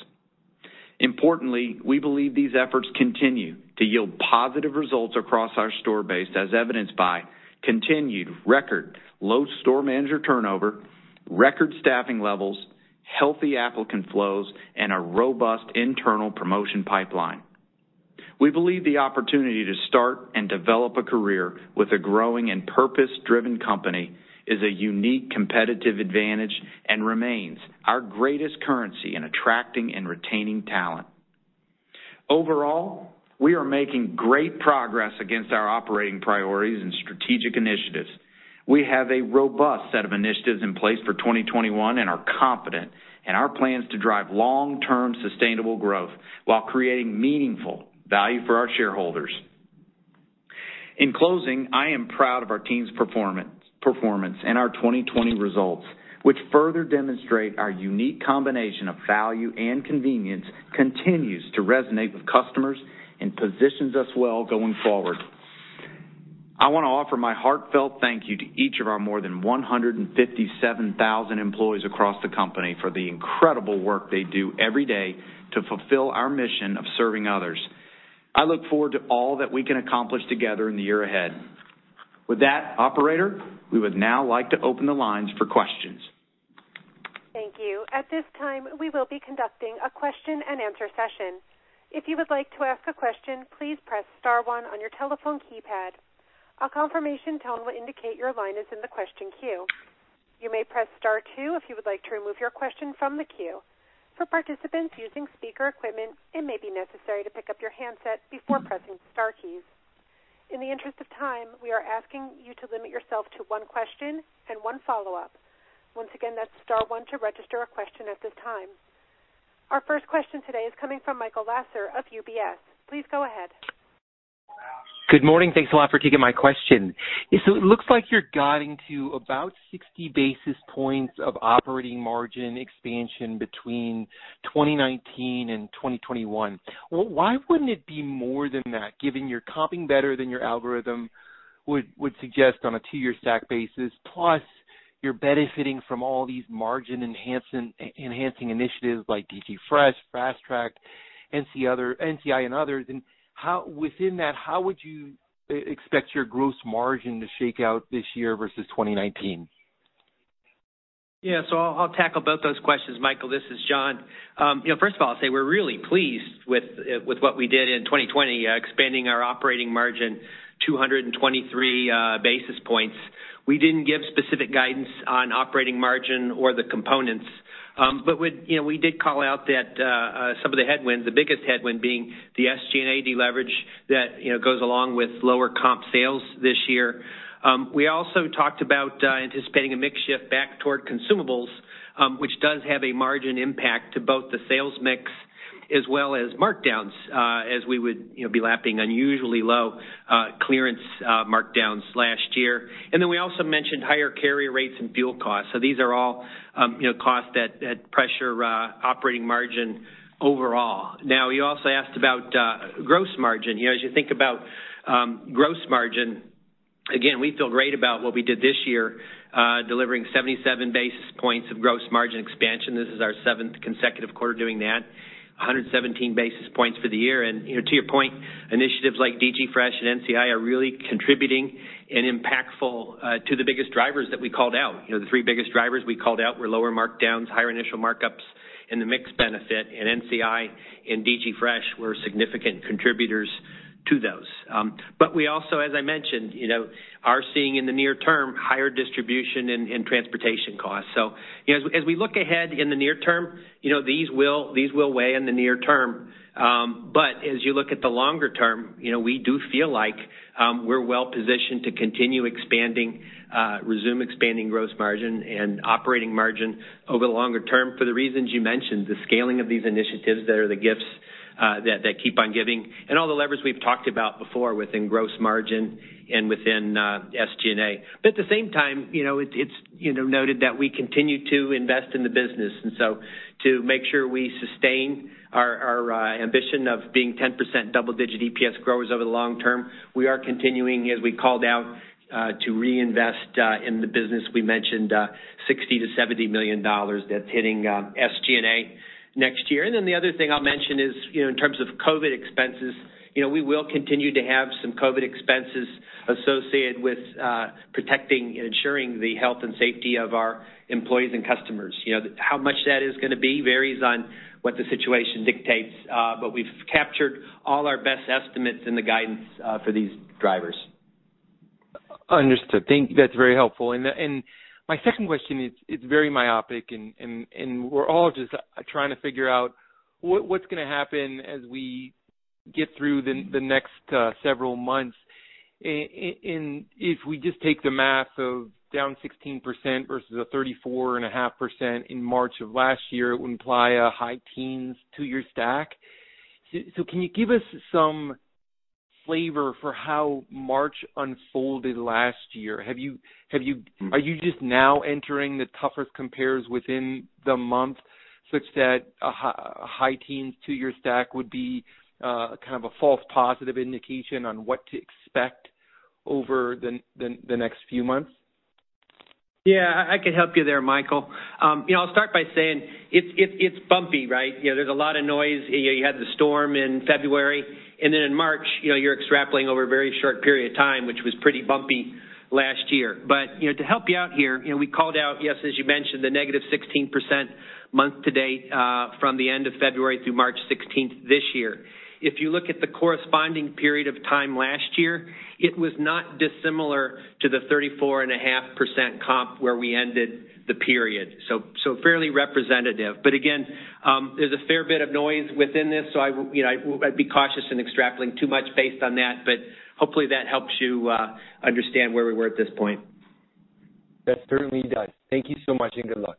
Importantly, we believe these efforts continue to yield positive results across our store base, as evidenced by continued record low store manager turnover, record staffing levels, healthy applicant flows, and a robust internal promotion pipeline. We believe the opportunity to start and develop a career with a growing and purpose-driven company is a unique competitive advantage and remains our greatest currency in attracting and retaining talent. Overall, we are making great progress against our operating priorities and strategic initiatives. We have a robust set of initiatives in place for 2021 and are confident in our plans to drive long-term sustainable growth while creating meaningful value for our shareholders. In closing, I am proud of our team's performance and our 2020 results, which further demonstrate our unique combination of value and convenience continues to resonate with customers and positions us well going forward. I want to offer my heartfelt thank you to each of our more than 157,000 employees across the company for the incredible work they do every day to fulfill our mission of serving others. I look forward to all that we can accomplish together in the year ahead. With that, operator, we would now like to open the lines for questions. Thank you. At this time, we will be conducting a question-and-answer session. If you would like to ask a question, please press star one on your telephone keypad. A confirmation tone will indicate your line is in the question queue. You may press star two if you would like to remove your question from the queue. For participants using speaker equipment, it may be necessary to pick up your handset before pressing star keys. In the interest of time, we are asking you to limit yourself to one question and one follow-up. Once again, that's star one to register a question at this time. Our first question today is coming from Michael Lasser of UBS, please go ahead. Good morning. Thanks a lot for taking my question. It looks like you're guiding to about 60 basis points of operating margin expansion between 2019 and 2021. Why wouldn't it be more than that, given you're comping better than your algorithm would suggest on a two-year stack basis, plus you're benefiting from all these margin-enhancing initiatives like DG Fresh, Fast Track, NCI, and others? Within that, how would you expect your gross margin to shake out this year versus 2019? I'll tackle both those questions, Michael. This is John. First of all, I'll say we're really pleased with what we did in 2020, expanding our operating margin 223 basis points. We did call out that some of the headwinds, the biggest headwind being the SG&A deleverage that goes along with lower comp sales this year. We also talked about anticipating a mix shift back toward consumables, which does have a margin impact to both the sales mix as well as markdowns, as we would be lapping unusually low clearance markdowns last year. Then we also mentioned higher carrier rates and fuel costs. These are all costs that pressure operating margin overall. You also asked about gross margin. As you think about gross margin, again, we feel great about what we did this year, delivering 77 basis points of gross margin expansion. This is our seventh consecutive quarter doing that, 117 basis points for the year. To your point, initiatives like DG Fresh and NCI are really contributing and impactful to the biggest drivers that we called out. The three biggest drivers we called out were lower markdowns, higher initial markups and the mix benefit, and NCI and DG Fresh were significant contributors to those. We also, as I mentioned, are seeing in the near term, higher distribution and transportation costs. As we look ahead in the near term, these will weigh in the near term. As you look at the longer term, we do feel like we're well-positioned to continue expanding, resume expanding gross margin and operating margin over the longer term for the reasons you mentioned, the scaling of these initiatives that are the gifts that keep on giving and all the levers we've talked about before within gross margin and within SG&A. At the same time, it's noted that we continue to invest in the business. To make sure we sustain our ambition of being 10% double-digit EPS growers over the long term, we are continuing, as we called out, to reinvest in the business. We mentioned $60 million-$70 million that's hitting SG&A next year. The other thing I'll mention is in terms of COVID expenses, we will continue to have some COVID expenses associated with protecting and ensuring the health and safety of our employees and customers. How much that is going to be varies on what the situation dictates. We've captured all our best estimates in the guidance for these drivers. Understood. That's very helpful. My second question is very myopic, and we're all just trying to figure out what's going to happen as we get through the next several months. If we just take the math of down 16% versus a 34.5% in March of last year, it would imply a high teens two-year stack. Can you give us some flavor for how March unfolded last year. Are you just now entering the toughest compares within the month such that a high teens two-year stack would be kind of a false positive indication on what to expect over the next few months? I can help you there, Michael. I'll start by saying it's bumpy, right? There's a lot of noise. You had the storm in February, and then in March, you're extrapolating over a very short period of time, which was pretty bumpy last year. To help you out here, we called out, yes, as you mentioned, the -16% month to date from the end of February through March 16th this year. If you look at the corresponding period of time last year, it was not dissimilar to the 34.5% comp where we ended the period, so fairly representative. Again, there's a fair bit of noise within this, so I'd be cautious in extrapolating too much based on that, but hopefully that helps you understand where we were at this point. That certainly does. Thank you so much, and good luck.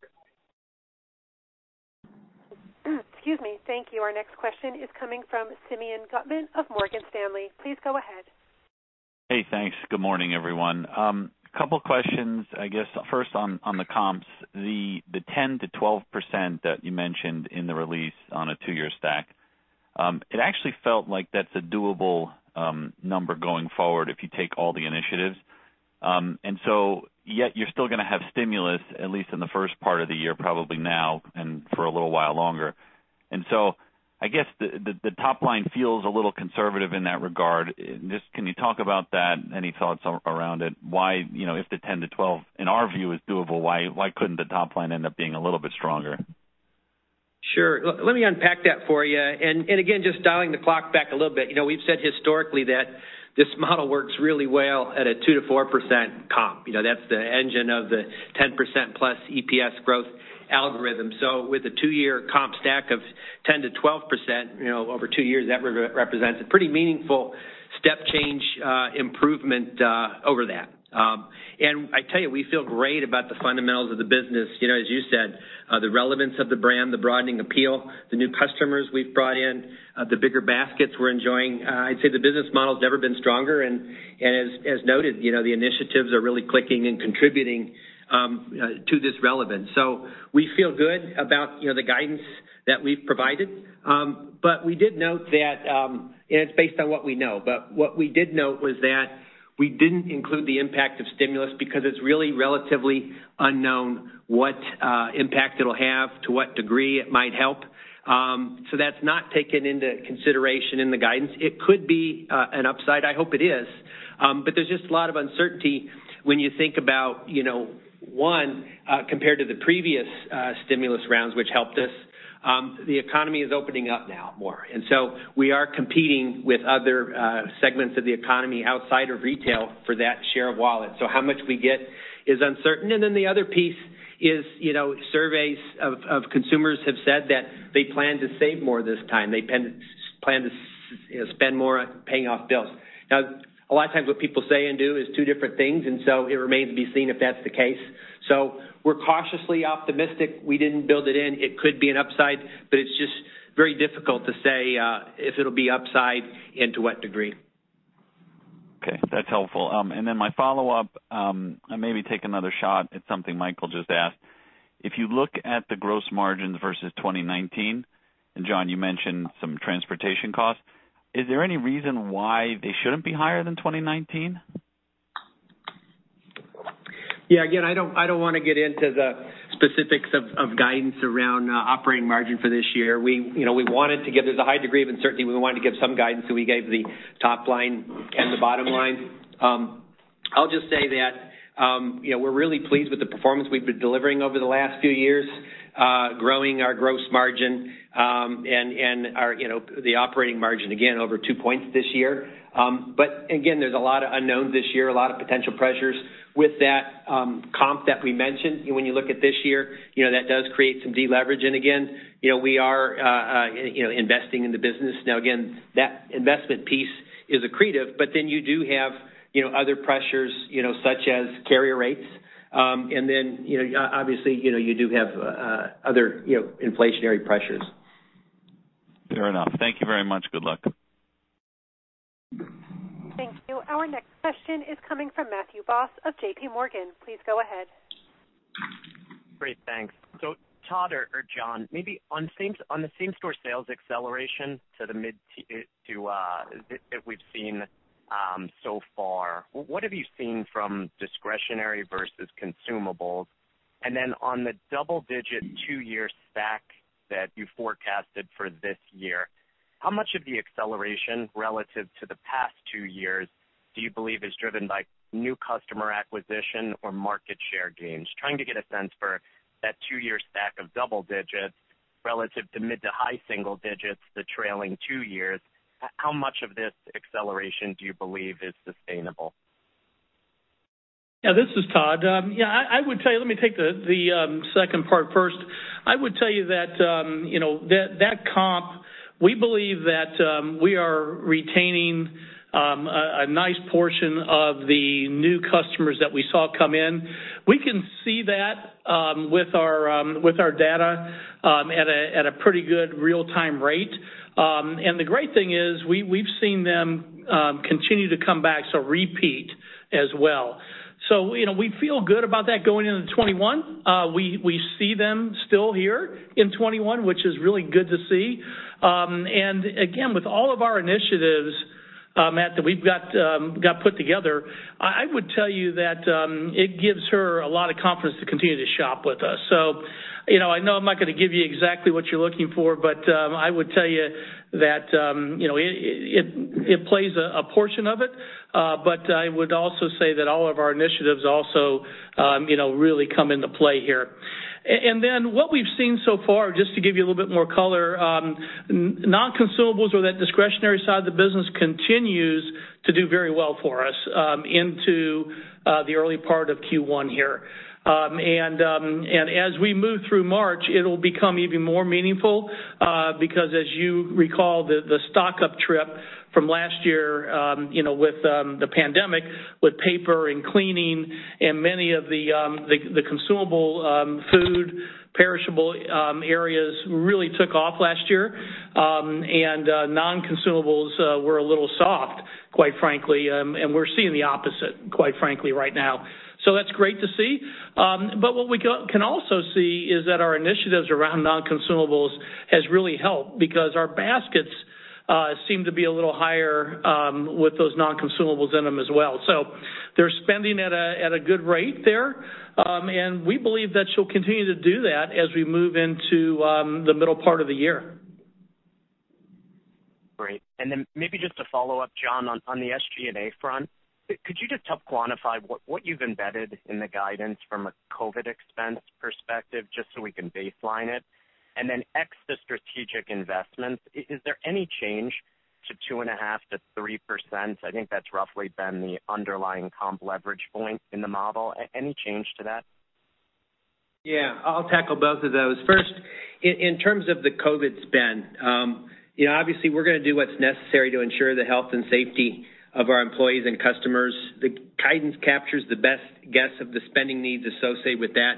Excuse me. Thank you. Our next question is coming from Simeon Gutman of Morgan Stanley, please go ahead. Hey, thanks. Good morning, everyone. Couple questions, I guess first on the comps. The 10%-12% that you mentioned in the release on a two-year stack, it actually felt like that's a doable number going forward if you take all the initiatives. Yet you're still going to have stimulus at least in the first part of the year, probably now and for a little while longer. I guess the top line feels a little conservative in that regard. Just can you talk about that? Any thoughts around it? If the 10%-12% in our view is doable, why couldn't the top line end up being a little bit stronger? Sure. Let me unpack that for you, again, just dialing the clock back a little bit. We've said historically that this model works really well at a 2%-4% comp. That's the engine of the 10%+ EPS growth algorithm. With a two-year comp stack of 10%-12% over two years, that represents a pretty meaningful step change improvement over that. I tell you, we feel great about the fundamentals of the business. As you said, the relevance of the brand, the broadening appeal, the new customers we've brought in, the bigger baskets we're enjoying. I'd say the business model's never been stronger, and as noted, the initiatives are really clicking and contributing to this relevance. We feel good about the guidance that we've provided. It's based on what we know, but what we did note was that we didn't include the impact of stimulus because it's really relatively unknown what impact it'll have, to what degree it might help. That's not taken into consideration in the guidance. It could be an upside. I hope it is. There's just a lot of uncertainty when you think about, one, compared to the previous stimulus rounds, which helped us. The economy is opening up now more, we are competing with other segments of the economy outside of retail for that share of wallet. How much we get is uncertain. The other piece is surveys of consumers have said that they plan to save more this time. They plan to spend more on paying off bills. A lot of times what people say and do is two different things, and so it remains to be seen if that's the case. We're cautiously optimistic. We didn't build it in. It could be an upside, but it's just very difficult to say if it'll be upside and to what degree. Okay, that's helpful. My follow-up, maybe take another shot at something Michael just asked. If you look at the gross margins versus 2019, John, you mentioned some transportation costs, is there any reason why they shouldn't be higher than 2019? I don't want to get into the specifics of guidance around operating margin for this year. There's a high degree of uncertainty. We wanted to give some guidance, we gave the top line and the bottom line. I'll just say that we're really pleased with the performance we've been delivering over the last few years, growing our gross margin and the operating margin again over two points this year. There's a lot of unknowns this year, a lot of potential pressures with that comp that we mentioned. When you look at this year, that does create some deleveraging again. We are investing in the business. That investment piece is accretive, you do have other pressures, such as carrier rates. Obviously, you do have other inflationary pressures. Fair enough. Thank you very much. Good luck. Thank you. Our next question is coming from Matthew Boss of JPMorgan. Please go ahead. Great, thanks. Todd or John, maybe on the same store sales acceleration that we've seen so far, what have you seen from discretionary versus consumables? On the double-digit two-year stack that you forecasted for this year, how much of the acceleration relative to the past two years do you believe is driven by new customer acquisition or market share gains? Trying to get a sense for that two-year stack of double digits relative to mid to high single digits, the trailing two years. How much of this acceleration do you believe is sustainable? Yeah, this is Todd. Let me take the second part first. I would tell you that comp, we believe that we are retaining a nice portion of the new customers that we saw come in, we can see that with our data at a pretty good real-time rate. The great thing is we've seen them continue to come back, so repeat as well. We feel good about that going into 2021. We see them still here in 2021, which is really good to see. Again, with all of our initiatives, Matt, that we've got put together, I would tell you that it gives her a lot of confidence to continue to shop with us. I know I'm not going to give you exactly what you're looking for, but I would tell you that it plays a portion of it. I would also say that all of our initiatives also really come into play here. What we've seen so far, just to give you a little bit more color, non-consumables or that discretionary side of the business continues to do very well for us into the early part of Q1 here. As we move through March, it'll become even more meaningful, because as you recall, the stock-up trip from last year with the pandemic, with paper and cleaning and many of the consumable food, perishable areas really took off last year. Non-consumables were a little soft, quite frankly. We're seeing the opposite, quite frankly, right now. That's great to see. What we can also see is that our initiatives around non-consumables has really helped because our baskets seem to be a little higher with those non-consumables in them as well. They're spending at a good rate there, and we believe that she'll continue to do that as we move into the middle part of the year. Great. Maybe just to follow up, John, on the SG&A front, could you just help quantify what you've embedded in the guidance from a COVID expense perspective, just so we can baseline it? Ex the strategic investments, is there any change to 2.5%-3%? I think that's roughly been the underlying comp leverage point in the model. Any change to that? I'll tackle both of those. First, in terms of the COVID-19 spend, obviously we're going to do what's necessary to ensure the health and safety of our employees and customers. The guidance captures the best guess of the spending needs associated with that.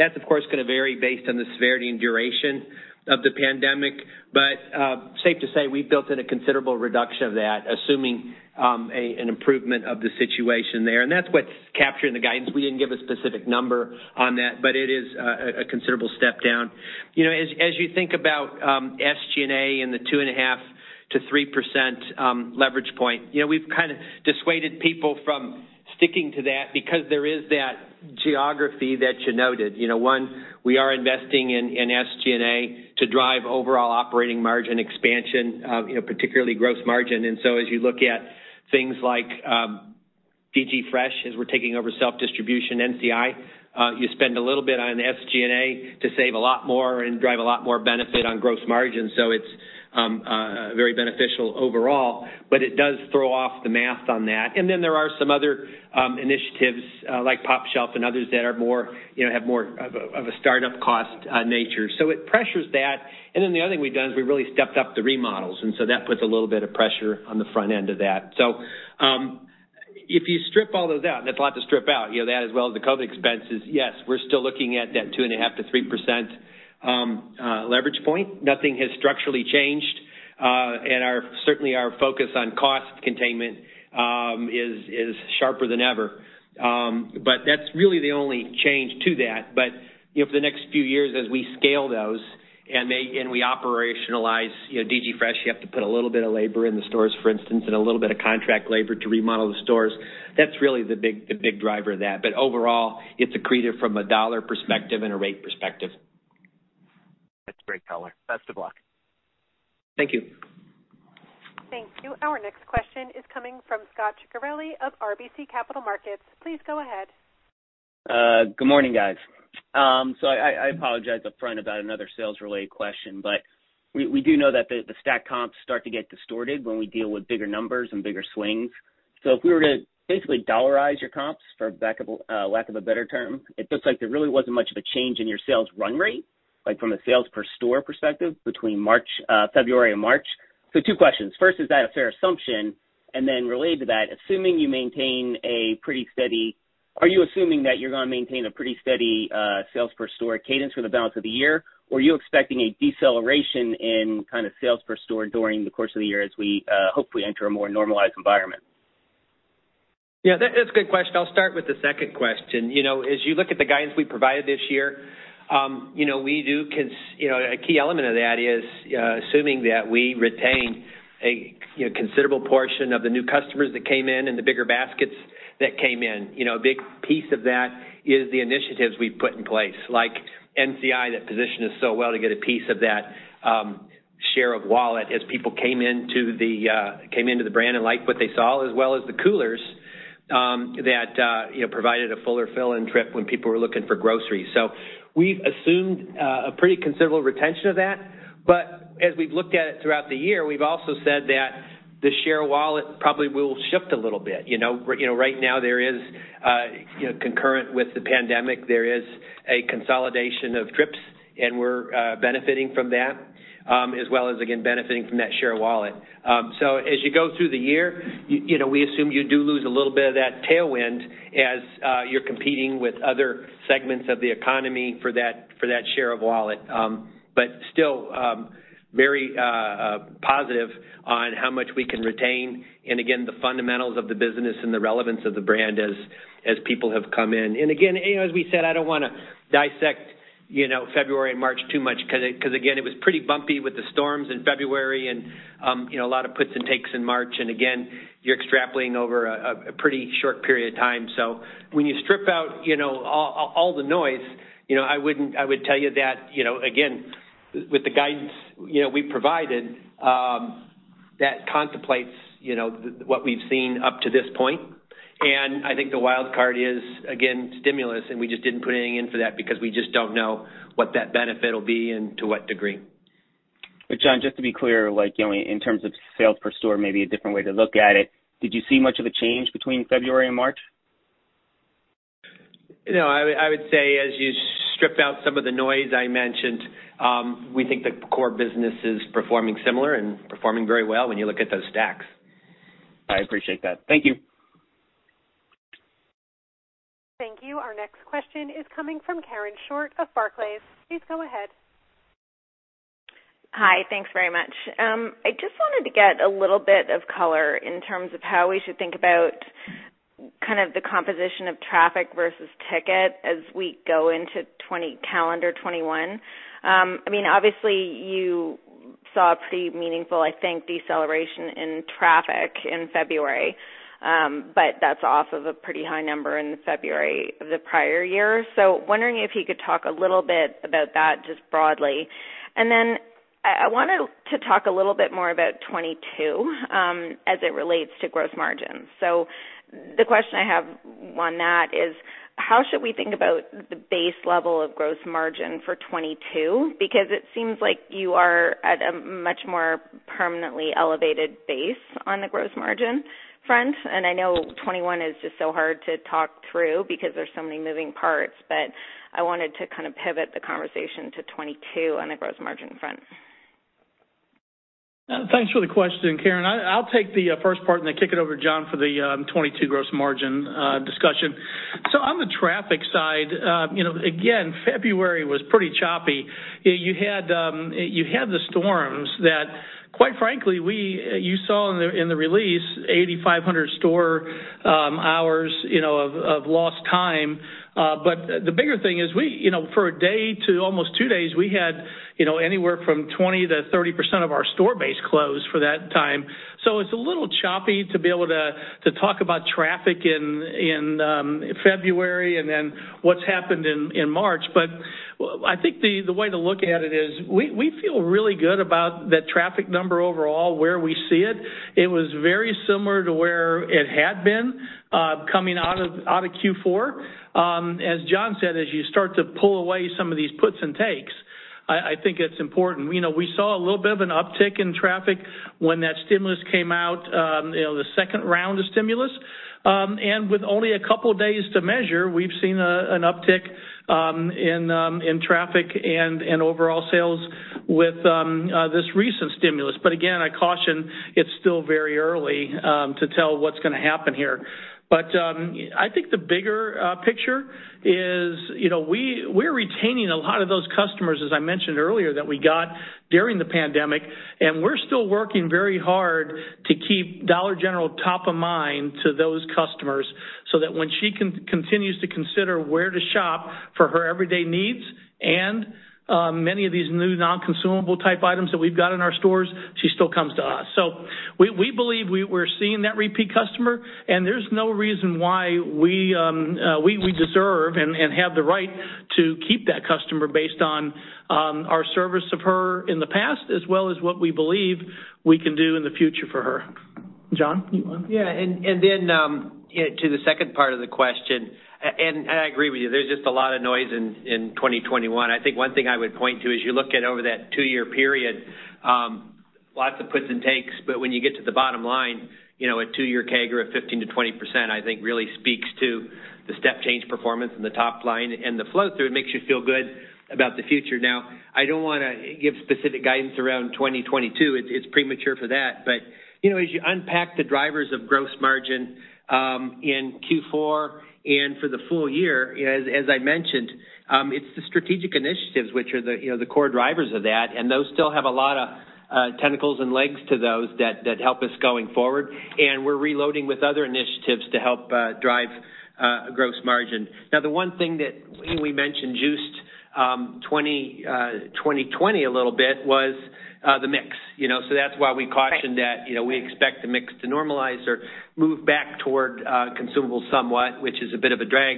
That's, of course, going to vary based on the severity and duration of the pandemic. Safe to say we've built in a considerable reduction of that, assuming an improvement of the situation there. That's what's captured in the guidance. We didn't give a specific number on that, it is a considerable step down. As you think about SG&A and the 2.5%-3% leverage point, we've kind of dissuaded people from sticking to that because there is that geography that you noted. One, we are investing in SG&A to drive overall operating margin expansion, particularly gross margin. As you look at things like DG Fresh, as we're taking over self-distribution NCI, you spend a little bit on SG&A to save a lot more and drive a lot more benefit on gross margin. It's very beneficial overall, but it does throw off the math on that. There are some other initiatives like pOpshelf and others that have more of a startup cost nature. It pressures that. The other thing we've done is we really stepped up the remodels, and so that puts a little bit of pressure on the front end of that. If you strip all those out, and that's a lot to strip out, that as well as the COVID expenses, yes, we're still looking at that 2.5%-3% leverage point. Nothing has structurally changed. Certainly, our focus on cost containment is sharper than ever. That's really the only change to that. For the next few years, as we scale those and we operationalize DG Fresh, you have to put a little bit of labor in the stores, for instance, and a little bit of contract labor to remodel the stores. That's really the big driver of that. Overall, it's accretive from a dollar perspective and a rate perspective. That's great color. Best of luck. Thank you. Thank you. Our next question is coming from Scot Ciccarelli of RBC Capital Markets, please go ahead. Good morning guys? I apologize up front about another sales-related question, we do know that the stack comps start to get distorted when we deal with bigger numbers and bigger swings. If we were to basically dollarize your comps, for lack of a better term, it looks like there really wasn't much of a change in your sales run rate, like from a sales per store perspective between February and March. Two questions. First, is that a fair assumption? Related to that, are you assuming that you're going to maintain a pretty steady sales per store cadence for the balance of the year? Are you expecting a deceleration in kind of sales per store during the course of the year as we hopefully enter a more normalized environment? Yeah, that's a good question. I'll start with the second question. As you look at the guidance we provided this year, a key element of that is assuming that we retain a considerable portion of the new customers that came in and the bigger baskets that came in. A big piece of that is the initiatives we've put in place, like NCI, that positioned us so well to get a piece of that share of wallet as people came into the brand and liked what they saw, as well as the coolers that provided a fuller fill and trip when people were looking for groceries. We've assumed a pretty considerable retention of that. As we've looked at it throughout the year, we've also said that the share wallet probably will shift a little bit. Right now, concurrent with the pandemic, there is a consolidation of trips, and we're benefiting from that. As well as, again, benefiting from that share of wallet. As you go through the year, we assume you do lose a little bit of that tailwind as you're competing with other segments of the economy for that share of wallet. Still very positive on how much we can retain and again, the fundamentals of the business and the relevance of the brand as people have come in. Again, as we said, I don't want to dissect February and March too much because, again, it was pretty bumpy with the storms in February and a lot of puts and takes in March. Again, you're extrapolating over a pretty short period of time. When you strip out all the noise, I would tell you that, again, with the guidance we provided, that contemplates what we've seen up to this point. I think the wild card is, again, stimulus, and we just didn't put anything in for that because we just don't know what that benefit will be and to what degree. John, just to be clear, in terms of sales per store, maybe a different way to look at it, did you see much of a change between February and March? I would say as you strip out some of the noise I mentioned, we think the core business is performing similar and performing very well when you look at those stacks. I appreciate that. Thank you. Thank you. Our next question is coming from Karen Short of Barclays, please go ahead. Hi? Thanks very much. I just wanted to get a little bit of color in terms of how we should think about kind of the composition of traffic versus ticket as we go into calendar 2021. Obviously, you saw a pretty meaningful, I think, deceleration in traffic in February. That's off of a pretty high number in February of the prior year. Wondering if you could talk a little bit about that just broadly. Then I wanted to talk a little bit more about 2022, as it relates to gross margin. The question I have on that is how should we think about the base level of gross margin for 2022? It seems like you are at a much more permanently elevated base on the gross margin front. I know 2021 is just so hard to talk through because there's so many moving parts. I wanted to kind of pivot the conversation to 2022 on the gross margin front. Thanks for the question, Karen. I'll take the first part and then kick it over to John for the 2022 gross margin discussion. On the traffic side, again, February was pretty choppy. You had the storms that, quite frankly, you saw in the release 8,500 store-hours of lost time. The bigger thing is for a day to almost two days, we had anywhere from 20%-30% of our store base closed for that time. It's a little choppy to be able to talk about traffic in February and then what's happened in March. I think the way to look at it is we feel really good about that traffic number overall, where we see it. It was very similar to where it had been coming out of Q4. As John said, as you start to pull away some of these puts and takes, I think it's important. We saw a little bit of an uptick in traffic when that stimulus came out, the second round of stimulus. With only a couple of days to measure, we've seen an uptick in traffic and in overall sales with this recent stimulus. Again, I caution it's still very early to tell what's going to happen here. I think the bigger picture is we're retaining a lot of those customers, as I mentioned earlier, that we got during the pandemic, and we're still working very hard to keep Dollar General top of mind to those customers, so that when she continues to consider where to shop for her everyday needs and many of these new non-consumable type items that we've got in our stores, she still comes to us. We believe we're seeing that repeat customer, and there's no reason why we deserve and have the right to keep that customer based on our service of her in the past, as well as what we believe we can do in the future for her. John, you want? Yeah. Then to the second part of the question, I agree with you, there's just a lot of noise in 2021. I think one thing I would point to as you look at over that two-year period, lots of puts and takes, but when you get to the bottom line, a two-year CAGR of 15%-20%, I think really speaks to the step change performance in the top line and the flow through. It makes you feel good about the future. I don't want to give specific guidance around 2022. It's premature for that. As you unpack the drivers of gross margin in Q4 and for the full year, as I mentioned, it's the strategic initiatives which are the core drivers of that, those still have a lot of tentacles and legs to those that help us going forward. We're reloading with other initiatives to help drive gross margin. The one thing that we mentioned juiced 2020 a little bit was the mix. That's why we cautioned that we expect the mix to normalize or move back toward consumable somewhat, which is a bit of a drag.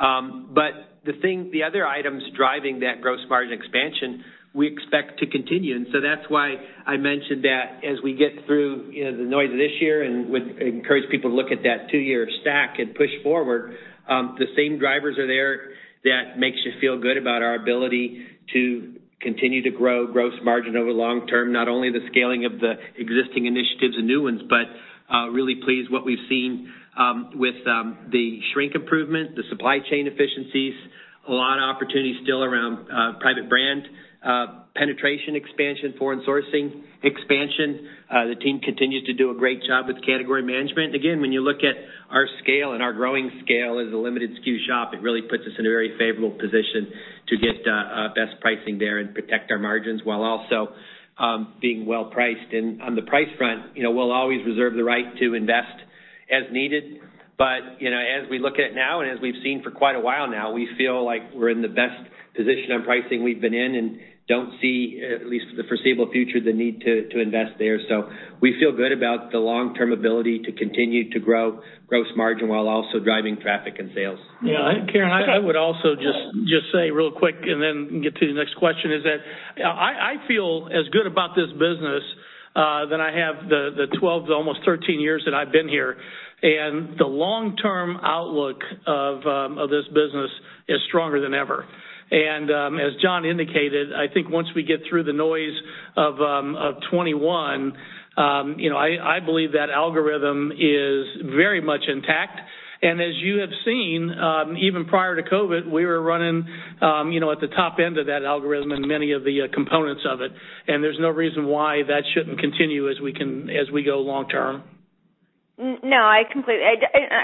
The other items driving that gross margin expansion, we expect to continue. That's why I mentioned that as we get through the noise of this year, and would encourage people to look at that two-year stack and push forward. The same drivers are there that makes you feel good about our ability to continue to grow gross margin over the long term, not only the scaling of the existing initiatives and new ones, but really pleased what we've seen with the shrink improvement, the supply chain efficiencies. A lot of opportunities still around private brand penetration expansion, foreign sourcing expansion. The team continues to do a great job with category management. Again, when you look at our scale and our growing scale as a limited SKU shop, it really puts us in a very favorable position to get best pricing there and protect our margins while also being well-priced. On the price front, we'll always reserve the right to invest as needed, but as we look at now and as we've seen for quite a while now, we feel like we're in the best position on pricing we've been in and don't see, at least for the foreseeable future, the need to invest there. We feel good about the long-term ability to continue to grow gross margin while also driving traffic and sales. Yeah, Karen, I would also just say real quick and then get to the next question is that I feel as good about this business than I have the 12 years, almost 13 years that I've been here. The long-term outlook of this business is stronger than ever. As John indicated, I think once we get through the noise of 2021, I believe that algorithm is very much intact. As you have seen, even prior to COVID, we were running at the top end of that algorithm and many of the components of it. There's no reason why that shouldn't continue as we go long term. No, I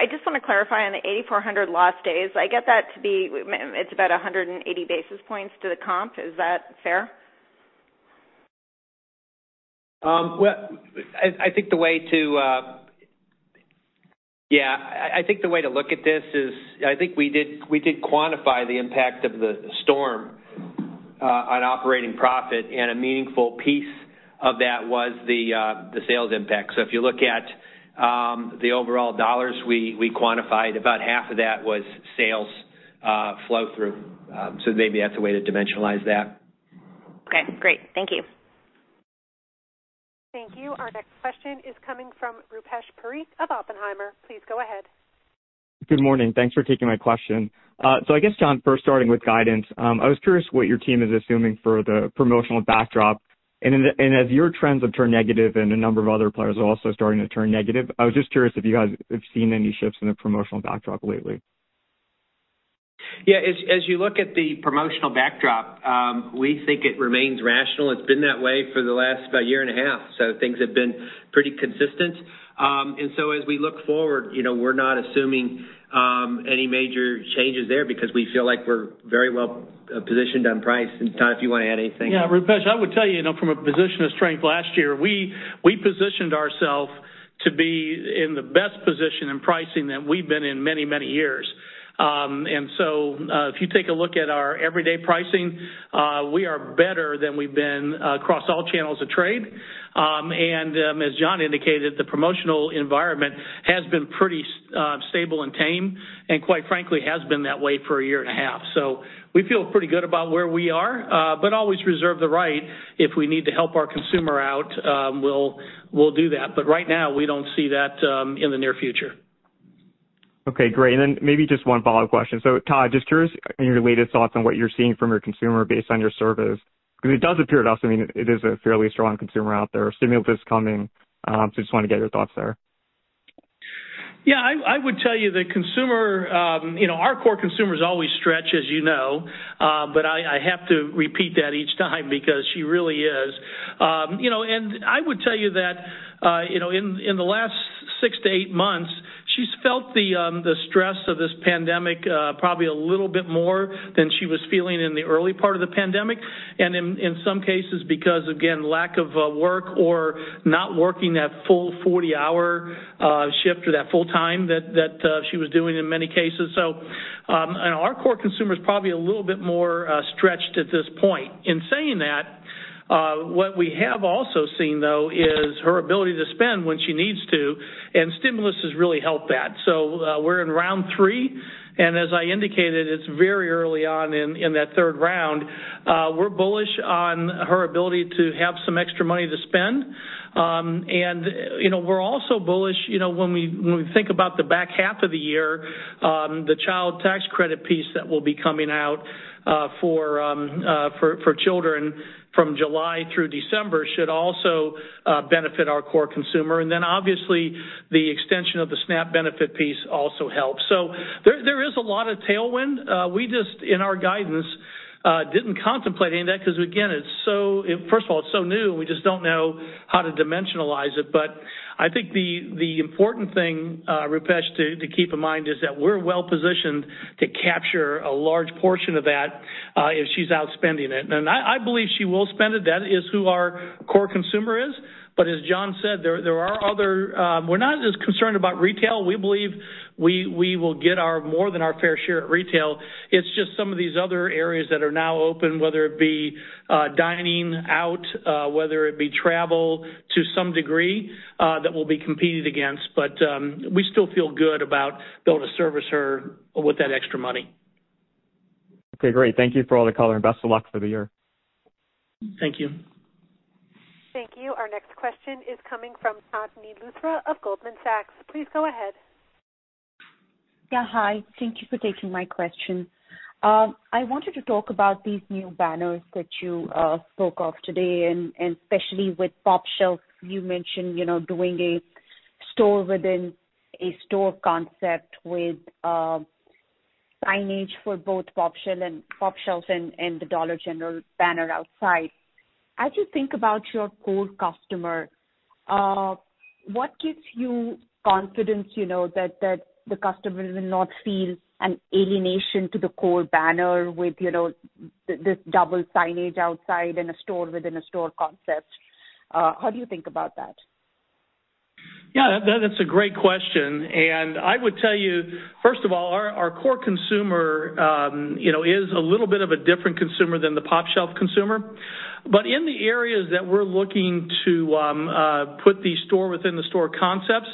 just want to clarify on the 8,400 lost days. I get that to be, it's about 180 basis points to the comp. Is that fair? I think the way to look at this is, I think we did quantify the impact of the storm on operating profit, and a meaningful piece of that was the sales impact. If you look at the overall dollars we quantified, about half of that was sales flow through. Maybe that's a way to dimensionalize that. Okay, great. Thank you. Thank you. Our next question is coming from Rupesh Parikh of Oppenheimer, please go ahead. Good morning? Thanks for taking my question. I guess, John, first starting with guidance, I was curious what your team is assuming for the promotional backdrop. As your trends have turned negative and a number of other players are also starting to turn negative, I was just curious if you guys have seen any shifts in the promotional backdrop lately. Yeah. As you look at the promotional backdrop, we think it remains rational. It's been that way for the last about year and a half, so things have been pretty consistent. As we look forward, we're not assuming any major changes there because we feel like we're very well positioned on price. Todd, if you want to add anything. Yeah, Rupesh, I would tell you, from a position of strength last year, we positioned ourself to be in the best position in pricing that we've been in many, many years. If you take a look at our everyday pricing, we are better than we've been across all channels of trade. As John indicated, the promotional environment has been pretty stable and tame and, quite frankly, has been that way for a year and a half. We feel pretty good about where we are. Always reserve the right if we need to help our consumer out, we'll do that. Right now, we don't see that in the near future. Okay, great. Maybe just one follow-up question. Todd, just curious on your latest thoughts on what you're seeing from your consumer based on your surveys, because it does appear to us, I mean, it is a fairly strong consumer out there, stimulus coming. Just want to get your thoughts there. I would tell you the consumer, our core consumer's always stretched, as you know. I have to repeat that each time because she really is. I would tell you that in the last six to eight months, she's felt the stress of this pandemic probably a little bit more than she was feeling in the early part of the pandemic. In some cases, because, again, lack of work or not working that full 40-hour shift or that full time that she was doing in many cases. Our core consumer's probably a little bit more stretched at this point. In saying that, what we have also seen, though, is her ability to spend when she needs to, and stimulus has really helped that. We're in round three, and as I indicated, it's very early on in that third round. We're bullish on her ability to have some extra money to spend. We're also bullish, when we think about the back half of the year, the child tax credit piece that will be coming out for children from July through December should also benefit our core consumer. The extension of the SNAP benefit piece also helps. There is a lot of tailwind. We just, in our guidance, didn't contemplate any of that because again, first of all, it's so new and we just don't know how to dimensionalize it. I think the important thing, Rupesh, to keep in mind is that we're well positioned to capture a large portion of that if she's out spending it. I believe she will spend it. That is who our core consumer is. As John said, we're not as concerned about retail. We believe we will get more than our fair share at retail. It's just some of these other areas that are now open, whether it be dining out, whether it be travel to some degree, that we'll be competed against. We still feel good about being able to service her with that extra money. Okay, great. Thank you for all the color, and best of luck for the year. Thank you. Thank you. Our next question is coming from Chandni Luthra of Goldman Sachs, please go ahead. Yeah, hi. Thank you for taking my question. I wanted to talk about these new banners that you spoke of today and especially with pOpshelf. You mentioned doing a store within a store concept with signage for both pOpshelf and the Dollar General banner outside. As you think about your core customer, what gives you confidence that the customer will not feel an alienation to the core banner with this double signage outside in a store within a store concept? How do you think about that? Yeah, that's a great question. I would tell you, first of all, our core consumer is a little bit of a different consumer than the pOpshelf consumer. In the areas that we're looking to put the store within the store concepts,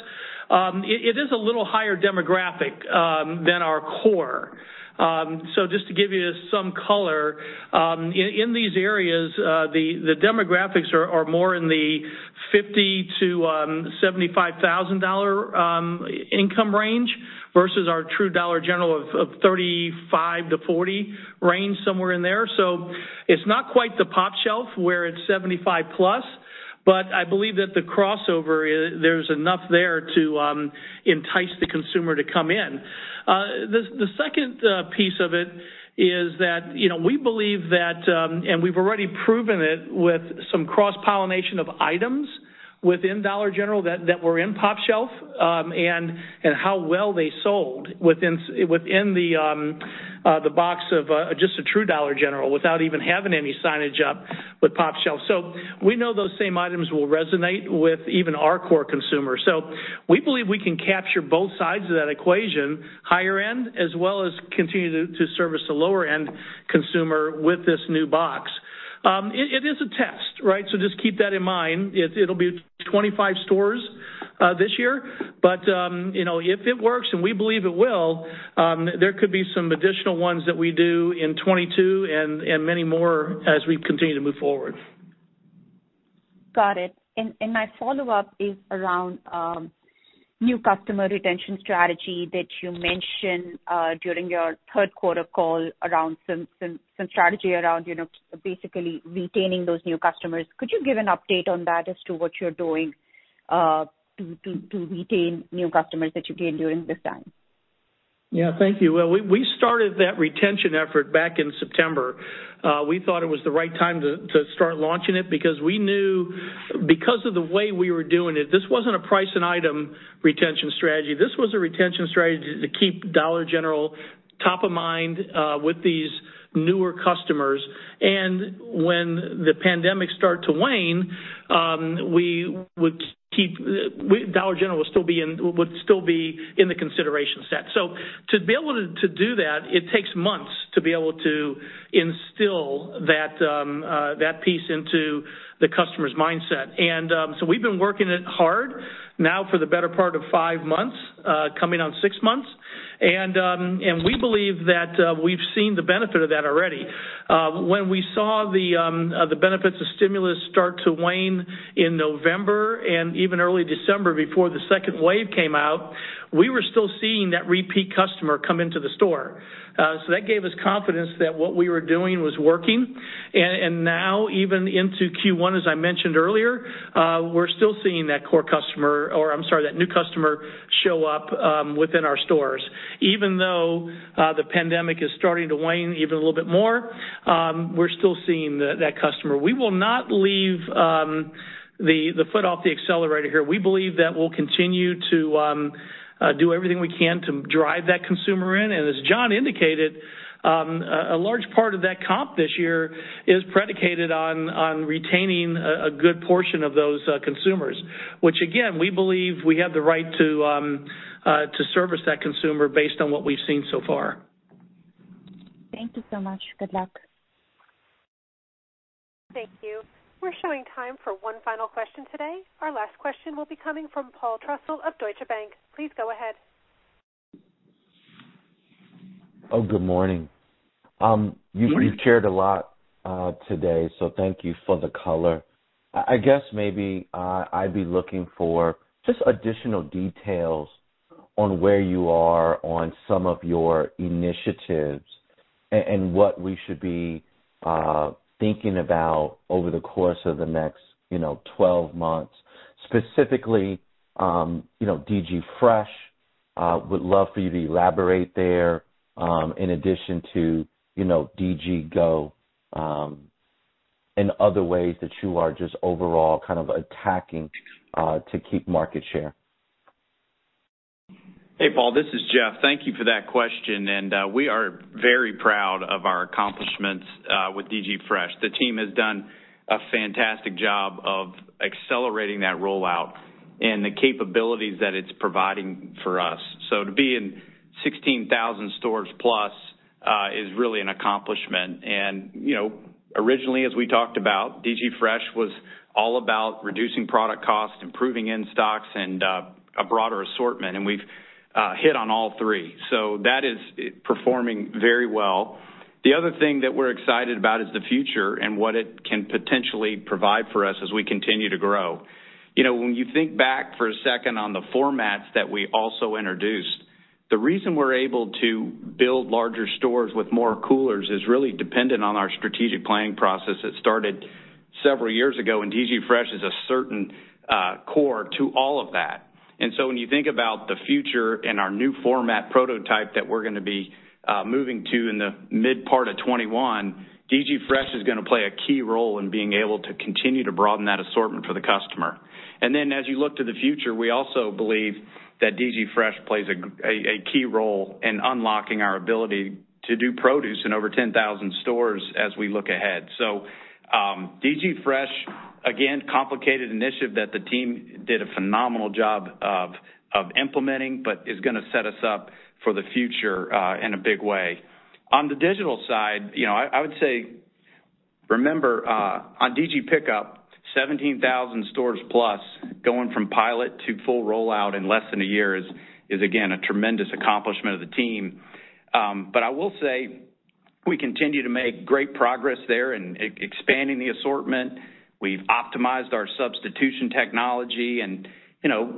it is a little higher demographic than our core. Just to give you some color, in these areas, the demographics are more in the $50,000-$75,000 income range versus our true Dollar General of $35,000-$40,000 range, somewhere in there. It's not quite the pOpshelf, where it's $75,000+, but I believe that the crossover, there's enough there to entice the consumer to come in. The second piece of it is that we believe that, and we've already proven it with some cross-pollination of items within Dollar General that were in pOpshelf, and how well they sold within the box of just a true Dollar General without even having any signage up with pOpshelf. We know those same items will resonate with even our core consumer. We believe we can capture both sides of that equation, higher end, as well as continue to service the lower end consumer with this new box. It is a test, right? Just keep that in mind. It'll be 25 stores this year. If it works, and we believe it will, there could be some additional ones that we do in 2022 and many more as we continue to move forward. Got it. My follow-up is around new customer retention strategy that you mentioned during your third quarter call, some strategy around basically retaining those new customers. Could you give an update on that as to what you're doing to retain new customers that you gained during this time? Thank you. Well, we started that retention effort back in September. We thought it was the right time to start launching it because we knew because of the way we were doing it, this wasn't a price and item retention strategy. This was a retention strategy to keep Dollar General top of mind with these newer customers. When the pandemic start to wane, Dollar General would still be in the consideration set. To be able to do that, it takes months to be able to instill that piece into the customer's mindset. We've been working it hard now for the better part of five months, coming on six months. We believe that we've seen the benefit of that already. When we saw the benefits of stimulus start to wane in November and even early December before the second wave came out, we were still seeing that repeat customer come into the store. That gave us confidence that what we were doing was working. Now even into Q1, as I mentioned earlier, we're still seeing that core customer, or I'm sorry, that new customer show up within our stores. Even though the pandemic is starting to wane even a little bit more, we're still seeing that customer. We will not leave the foot off the accelerator here. We believe that we'll continue to do everything we can to drive that consumer in. As John indicated, a large part of that comp this year is predicated on retaining a good portion of those consumers, which again, we believe we have the right to service that consumer based on what we've seen so far. Thank you so much. Good luck. Thank you. We're showing time for one final question today. Our last question will be coming from Paul Trussell of Deutsche Bank, please go ahead. Oh, good morning. You've shared a lot today. Thank you for the color. I guess maybe I'd be looking for just additional details on where you are on some of your initiatives and what we should be thinking about over the course of the next 12 months, specifically DG Fresh. Would love for you to elaborate there, in addition to DG GO, and other ways that you are just overall kind of attacking to keep market share. Hey, Paul, this is Jeff. Thank you for that question, and we are very proud of our accomplishments with DG Fresh. The team has done a fantastic job of accelerating that rollout and the capabilities that it's providing for us. To be in 16,000 stores plus is really an accomplishment. Originally, as we talked about, DG Fresh was all about reducing product cost, improving in-stocks, and a broader assortment, and we've hit on all three. That is performing very well. The other thing that we're excited about is the future and what it can potentially provide for us as we continue to grow. When you think back for a second on the formats that we also introduced. The reason we're able to build larger stores with more coolers is really dependent on our strategic planning process that started several years ago. DG Fresh is a certain core to all of that. When you think about the future and our new format prototype that we're going to be moving to in the mid part of 2021, DG Fresh is going to play a key role in being able to continue to broaden that assortment for the customer. As you look to the future, we also believe that DG Fresh plays a key role in unlocking our ability to do produce in over 10,000 stores as we look ahead. DG Fresh, again, complicated initiative that the team did a phenomenal job of implementing, but is going to set us up for the future in a big way. On the digital side, I would say, remember, on DG Pickup, 17,000 stores plus going from pilot to full rollout in less than a year is, again, a tremendous accomplishment of the team. I will say, we continue to make great progress there in expanding the assortment. We've optimized our substitution technology, and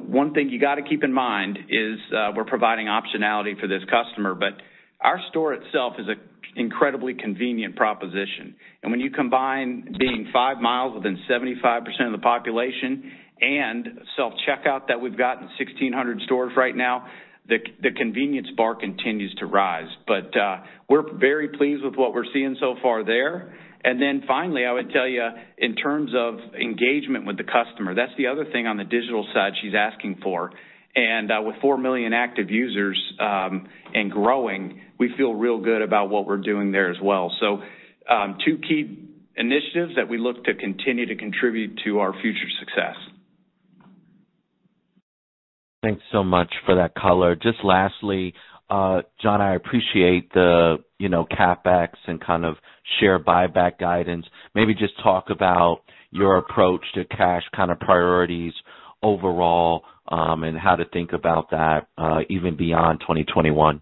one thing you got to keep in mind is we're providing optionality for this customer, but our store itself is an incredibly convenient proposition. When you combine being 5 mi within 75% of the population and self-checkout that we've got in 1,600 stores right now, the convenience bar continues to rise. We're very pleased with what we're seeing so far there. Finally, I would tell you, in terms of engagement with the customer, that's the other thing on the digital side she's asking for. With 4 million active users and growing, we feel real good about what we're doing there as well. Two key initiatives that we look to continue to contribute to our future success. Thanks so much for that color. Just lastly, John, I appreciate the CapEx and kind of share buyback guidance. Maybe just talk about your approach to cash kind of priorities overall, and how to think about that even beyond 2021.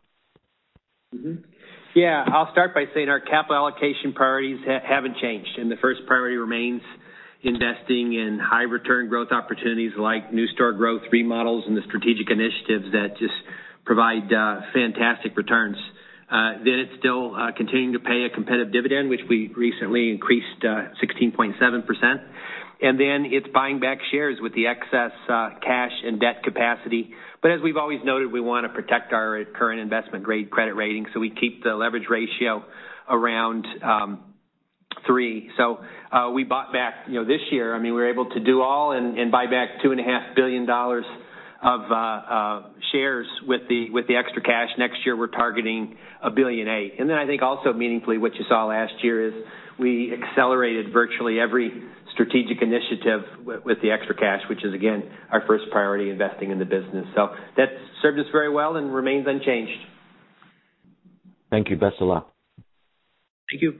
I'll start by saying our capital allocation priorities haven't changed, the first priority remains investing in high return growth opportunities like new store growth remodels and the strategic initiatives that just provide fantastic returns. It's still continuing to pay a competitive dividend, which we recently increased to 16.7%. It's buying back shares with the excess cash and debt capacity. As we've always noted, we want to protect our current investment-grade credit rating, so we keep the leverage ratio around three. We bought back this year, we were able to do all and buy back $2.5 billion of shares with the extra cash. Next year, we're targeting $1.8 billion. I think also meaningfully what you saw last year is we accelerated virtually every strategic initiative with the extra cash, which is again, our first priority investing in the business. That's served us very well and remains unchanged. Thank you. Best of luck. Thank you.